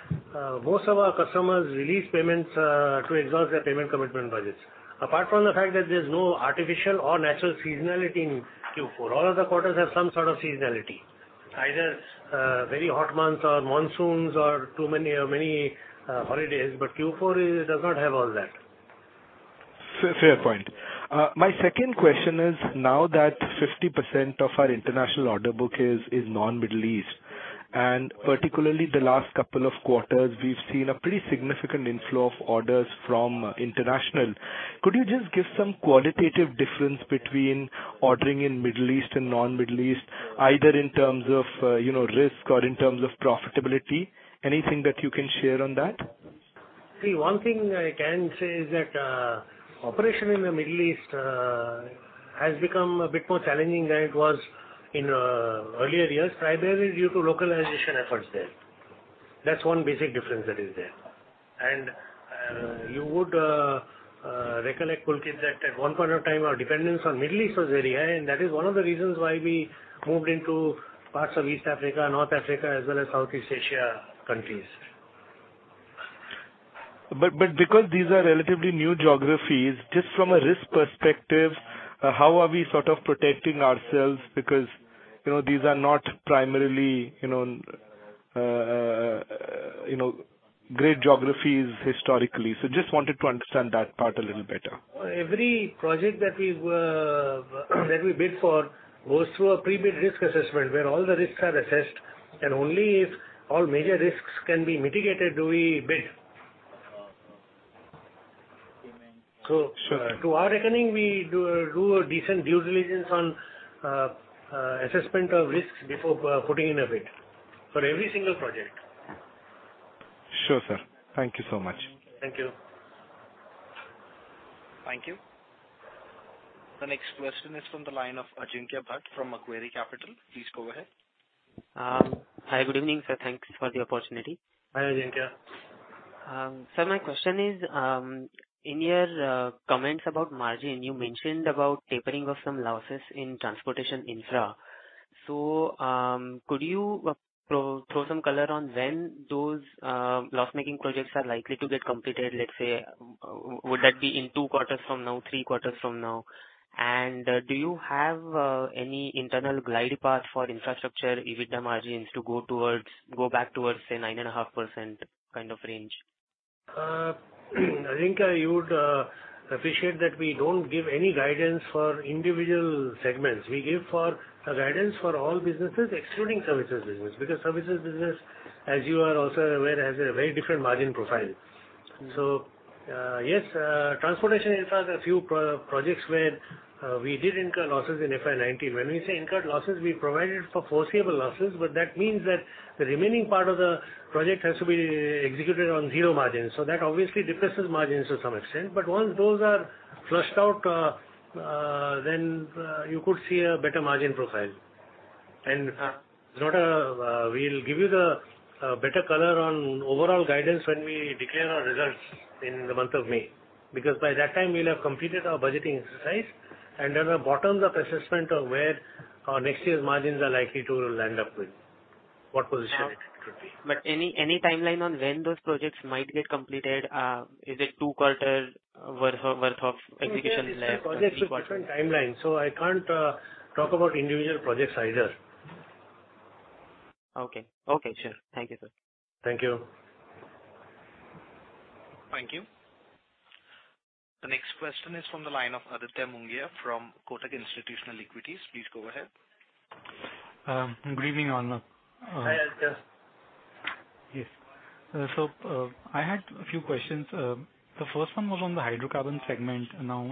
most of our customers release payments to exhaust their payment commitment budgets. Apart from the fact that there's no artificial or natural seasonality in Q4. All other quarters have some sort of seasonality, either very hot months or monsoons or too many holidays, but Q4 does not have all that. Fair point. My second question is, now that 50% of our international order book is non-Middle East, particularly the last couple of quarters, we've seen a pretty significant inflow of orders from international. Could you just give some qualitative difference between ordering in Middle East and non-Middle East, either in terms of risk or in terms of profitability? Anything that you can share on that? One thing I can say is that operation in the Middle East has become a bit more challenging than it was in earlier years, primarily due to localization efforts there. That's one basic difference that is there. You would recollect, Pulkit, that at one point of time, our dependence on Middle East was very high, and that is one of the reasons why we moved into parts of East Africa, North Africa, as well as Southeast Asia countries. Because these are relatively new geographies, just from a risk perspective, how are we sort of protecting ourselves because these are not primarily great geographies historically. Just wanted to understand that part a little better. Every project that we bid for goes through a pre-bid risk assessment where all the risks are assessed, and only if all major risks can be mitigated do we bid. Sure. To our reckoning, we do a decent due diligence on assessment of risks before putting in a bid for every single project. Sure, sir. Thank you so much. Thank you. Thank you. The next question is from the line of Ajinkya Bhat from Macquarie Capital. Please go ahead. Hi. Good evening, sir. Thanks for the opportunity. Hi, Ajinkya. Sir, my question is, in your comments about margin, you mentioned about tapering of some losses in transportation infra. Could you throw some color on when those loss-making projects are likely to get completed, let's say, would that be in 2 quarters from now, 3 quarters from now? Do you have any internal glide path for infrastructure EBITDA margins to go back towards, say, 9.5% kind of range? Ajinkya, you would appreciate that we don't give any guidance for individual segments. We give a guidance for all businesses excluding services business, services business, as you are also aware, has a very different margin profile. Yes, transportation infra has a few projects where we did incur losses in FY 2019. When we say incurred losses, we provided for foreseeable losses, that means that the remaining part of the project has to be executed on zero margins. That obviously depresses margins to some extent. Once those are flushed out, you could see a better margin profile. We'll give you the better color on overall guidance when we declare our results in the month of May, because by that time, we'll have completed our budgeting exercise, and there's a bottom-up assessment of where our next year's margins are likely to land up with, what position it could be. Any timeline on when those projects might get completed? Is it two quarters worth of execution? Each project has a different timeline, so I can't talk about individual projects either. Okay. Sure. Thank you, sir. Thank you. Thank you. The next question is from the line of Aditya Mungia from Kotak Institutional Equities. Please go ahead. Good evening, Arnob. Hi, Aditya. Yes. I had a few questions. The first one was on the hydrocarbon segment.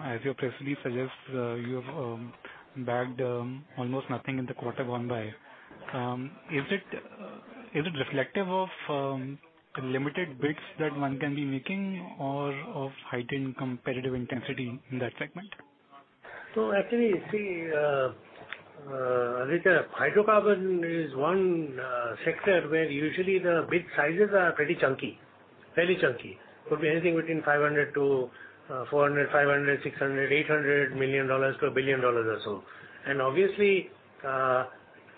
As your press release suggests, you have bagged almost nothing in the quarter gone by. Is it reflective of limited bids that one can be making or of heightened competitive intensity in that segment? Actually, see, Aditya, hydrocarbon is one sector where usually the bid sizes are pretty chunky. Could be anything between $400, $500, $600, $800 million to a billion dollars or so. Obviously,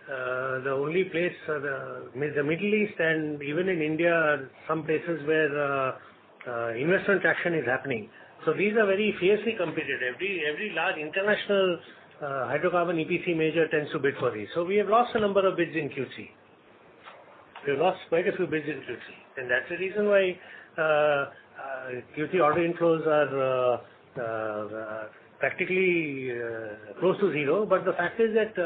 the only place are the Middle East and even in India are some places where investment action is happening. These are very fiercely competed. Every large international hydrocarbon EPC major tends to bid for these. We have lost a number of bids in Q3. We've lost quite a few bids in Q3, and that's the reason why Q3 order inflows are practically close to zero. The fact is that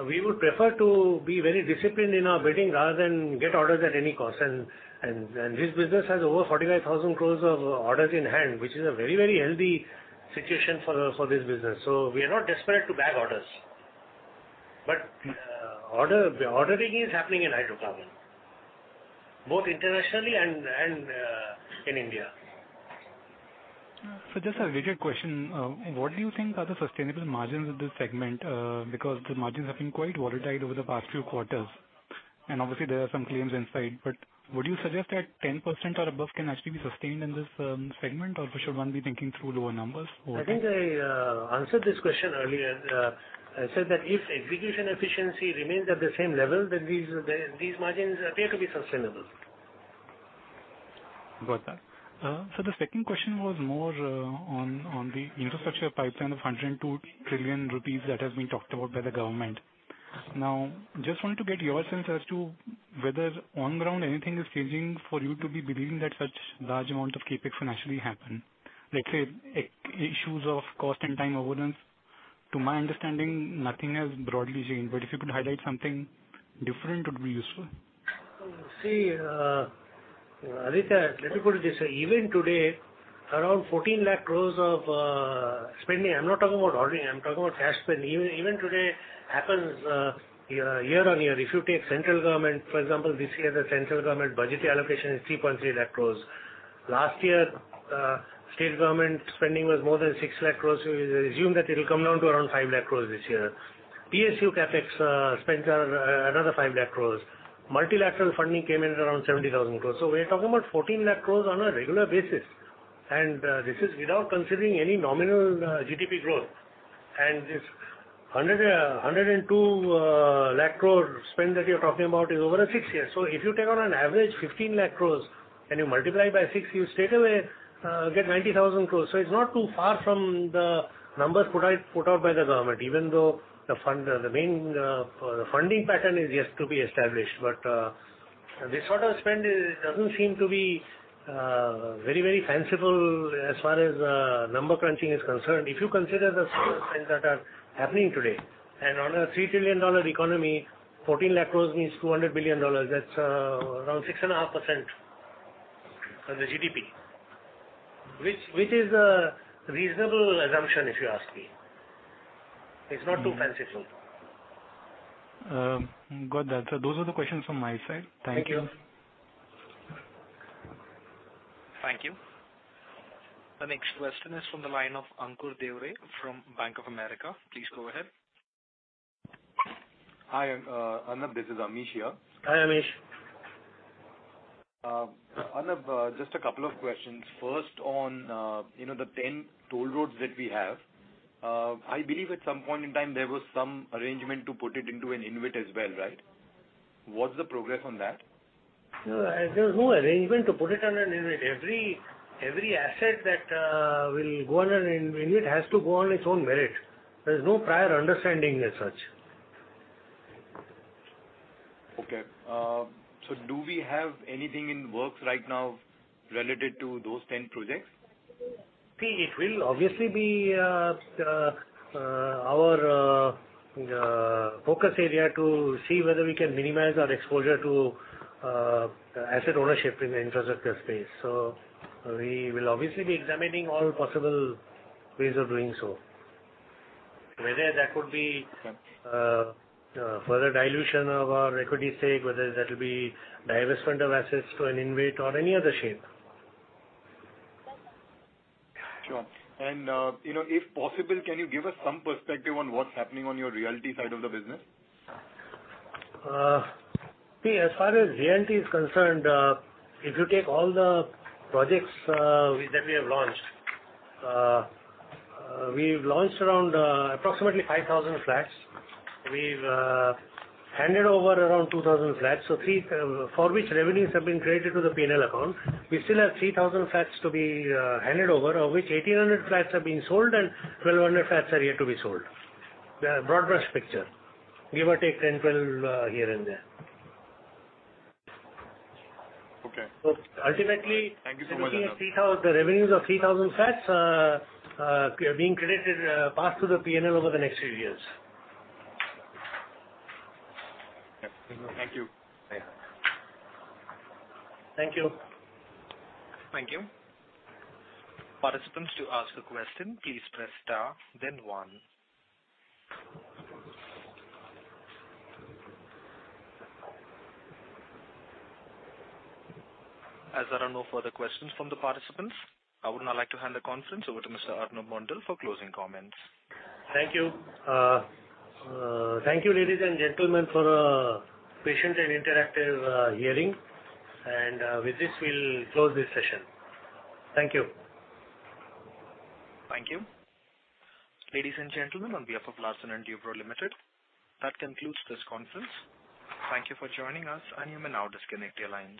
we would prefer to be very disciplined in our bidding rather than get orders at any cost. This business has over 45,000 crores of orders in hand, which is a very healthy situation for this business. We are not desperate to bag orders. Ordering is happening in hydrocarbon, both internationally and in India. Just a related question. What do you think are the sustainable margins of this segment? Because the margins have been quite watertight over the past few quarters, and obviously there are some claims inside, but would you suggest that 10% or above can actually be sustained in this segment, or should one be thinking through lower numbers overall? I think I answered this question earlier. I said that if execution efficiency remains at the same level, then these margins appear to be sustainable. Got that. The second question was more on the infrastructure pipeline of 102 trillion rupees that has been talked about by the government. Just want to get your sense as to whether on ground anything is changing for you to be believing that such large amount of CapEx can actually happen, let's say, issues of cost and time avoidance. To my understanding, nothing has broadly changed, but if you could highlight something different, it would be useful. See, Aditya, let me put it this way. Even today, around 14 lakh crores of spending, I'm not talking about ordering, I'm talking about cash spend. Even today happens year-on-year. If you take central government, for example, this year, the central government budget allocation is 3.3 lakh crores. Last year, state government spending was more than 6 lakh crores. We assume that it'll come down to around 5 lakh crores this year. PSU CapEx spends are another 5 lakh crores. Multilateral funding came in at around 70,000 crores. We are talking about 14 lakh crores on a regular basis, and this is without considering any nominal GDP growth. This 102 lakh crore spend that you're talking about is over a 6 years. If you take on an average 15 lakh crores and you multiply by 6, you straightaway get 90 lakh crores. It's not too far from the numbers put out by the government, even though the funding pattern is yet to be established. This sort of spend doesn't seem to be very fanciful as far as number crunching is concerned. If you consider the sort of spends that are happening today, and on a $3 trillion economy, 14 lakh crore means $200 billion. That's around 6.5% of the GDP, which is a reasonable assumption, if you ask me. It's not too fanciful. Got that. Those are the questions from my side. Thank you. Thank you. The next question is from the line of Ankur Dev from Bank of America. Please go ahead. Hi, Arnob. This is Amish here. Hi, Amish. Arnob, just a couple of questions. First on the 10 toll roads that we have. I believe at some point in time there was some arrangement to put it into an InvIT as well, right? What's the progress on that? There was no arrangement to put it on an InvIT. Every asset that will go on an InvIT has to go on its own merit. There is no prior understanding as such. Okay. Do we have anything in the works right now related to those ten projects? It will obviously be our focus area to see whether we can minimize our exposure to asset ownership in the infrastructure space. We will obviously be examining all possible ways of doing so. Whether that would be further dilution of our equity stake, whether that'll be divestment of assets to an InvIT or any other shape. Sure. If possible, can you give us some perspective on what's happening on your realty side of the business? As far as realty is concerned, if you take all the projects that we have launched, we've launched around approximately 5,000 flats. We've handed over around 2,000 flats, for which revenues have been credited to the P&L account. We still have 3,000 flats to be handed over, of which 1,800 flats have been sold and 1,200 flats are yet to be sold. The broad-brush picture. Give or take 10, 12 here and there. Okay. Ultimately- Thank you so much. The revenues of 3,000 flats are being credited, passed to the P&L over the next few years. Thank you. Bye. Thank you. Thank you. Participants to ask a question, please press star then one. There are no further questions from the participants, I would now like to hand the conference over to Mr. Arnob Mondal for closing comments. Thank you. Thank you, ladies and gentlemen, for a patient and interactive hearing, and with this we'll close this session. Thank you. Thank you. Ladies and gentlemen, on behalf of Larsen & Toubro Limited, that concludes this conference. Thank you for joining us, and you may now disconnect your lines.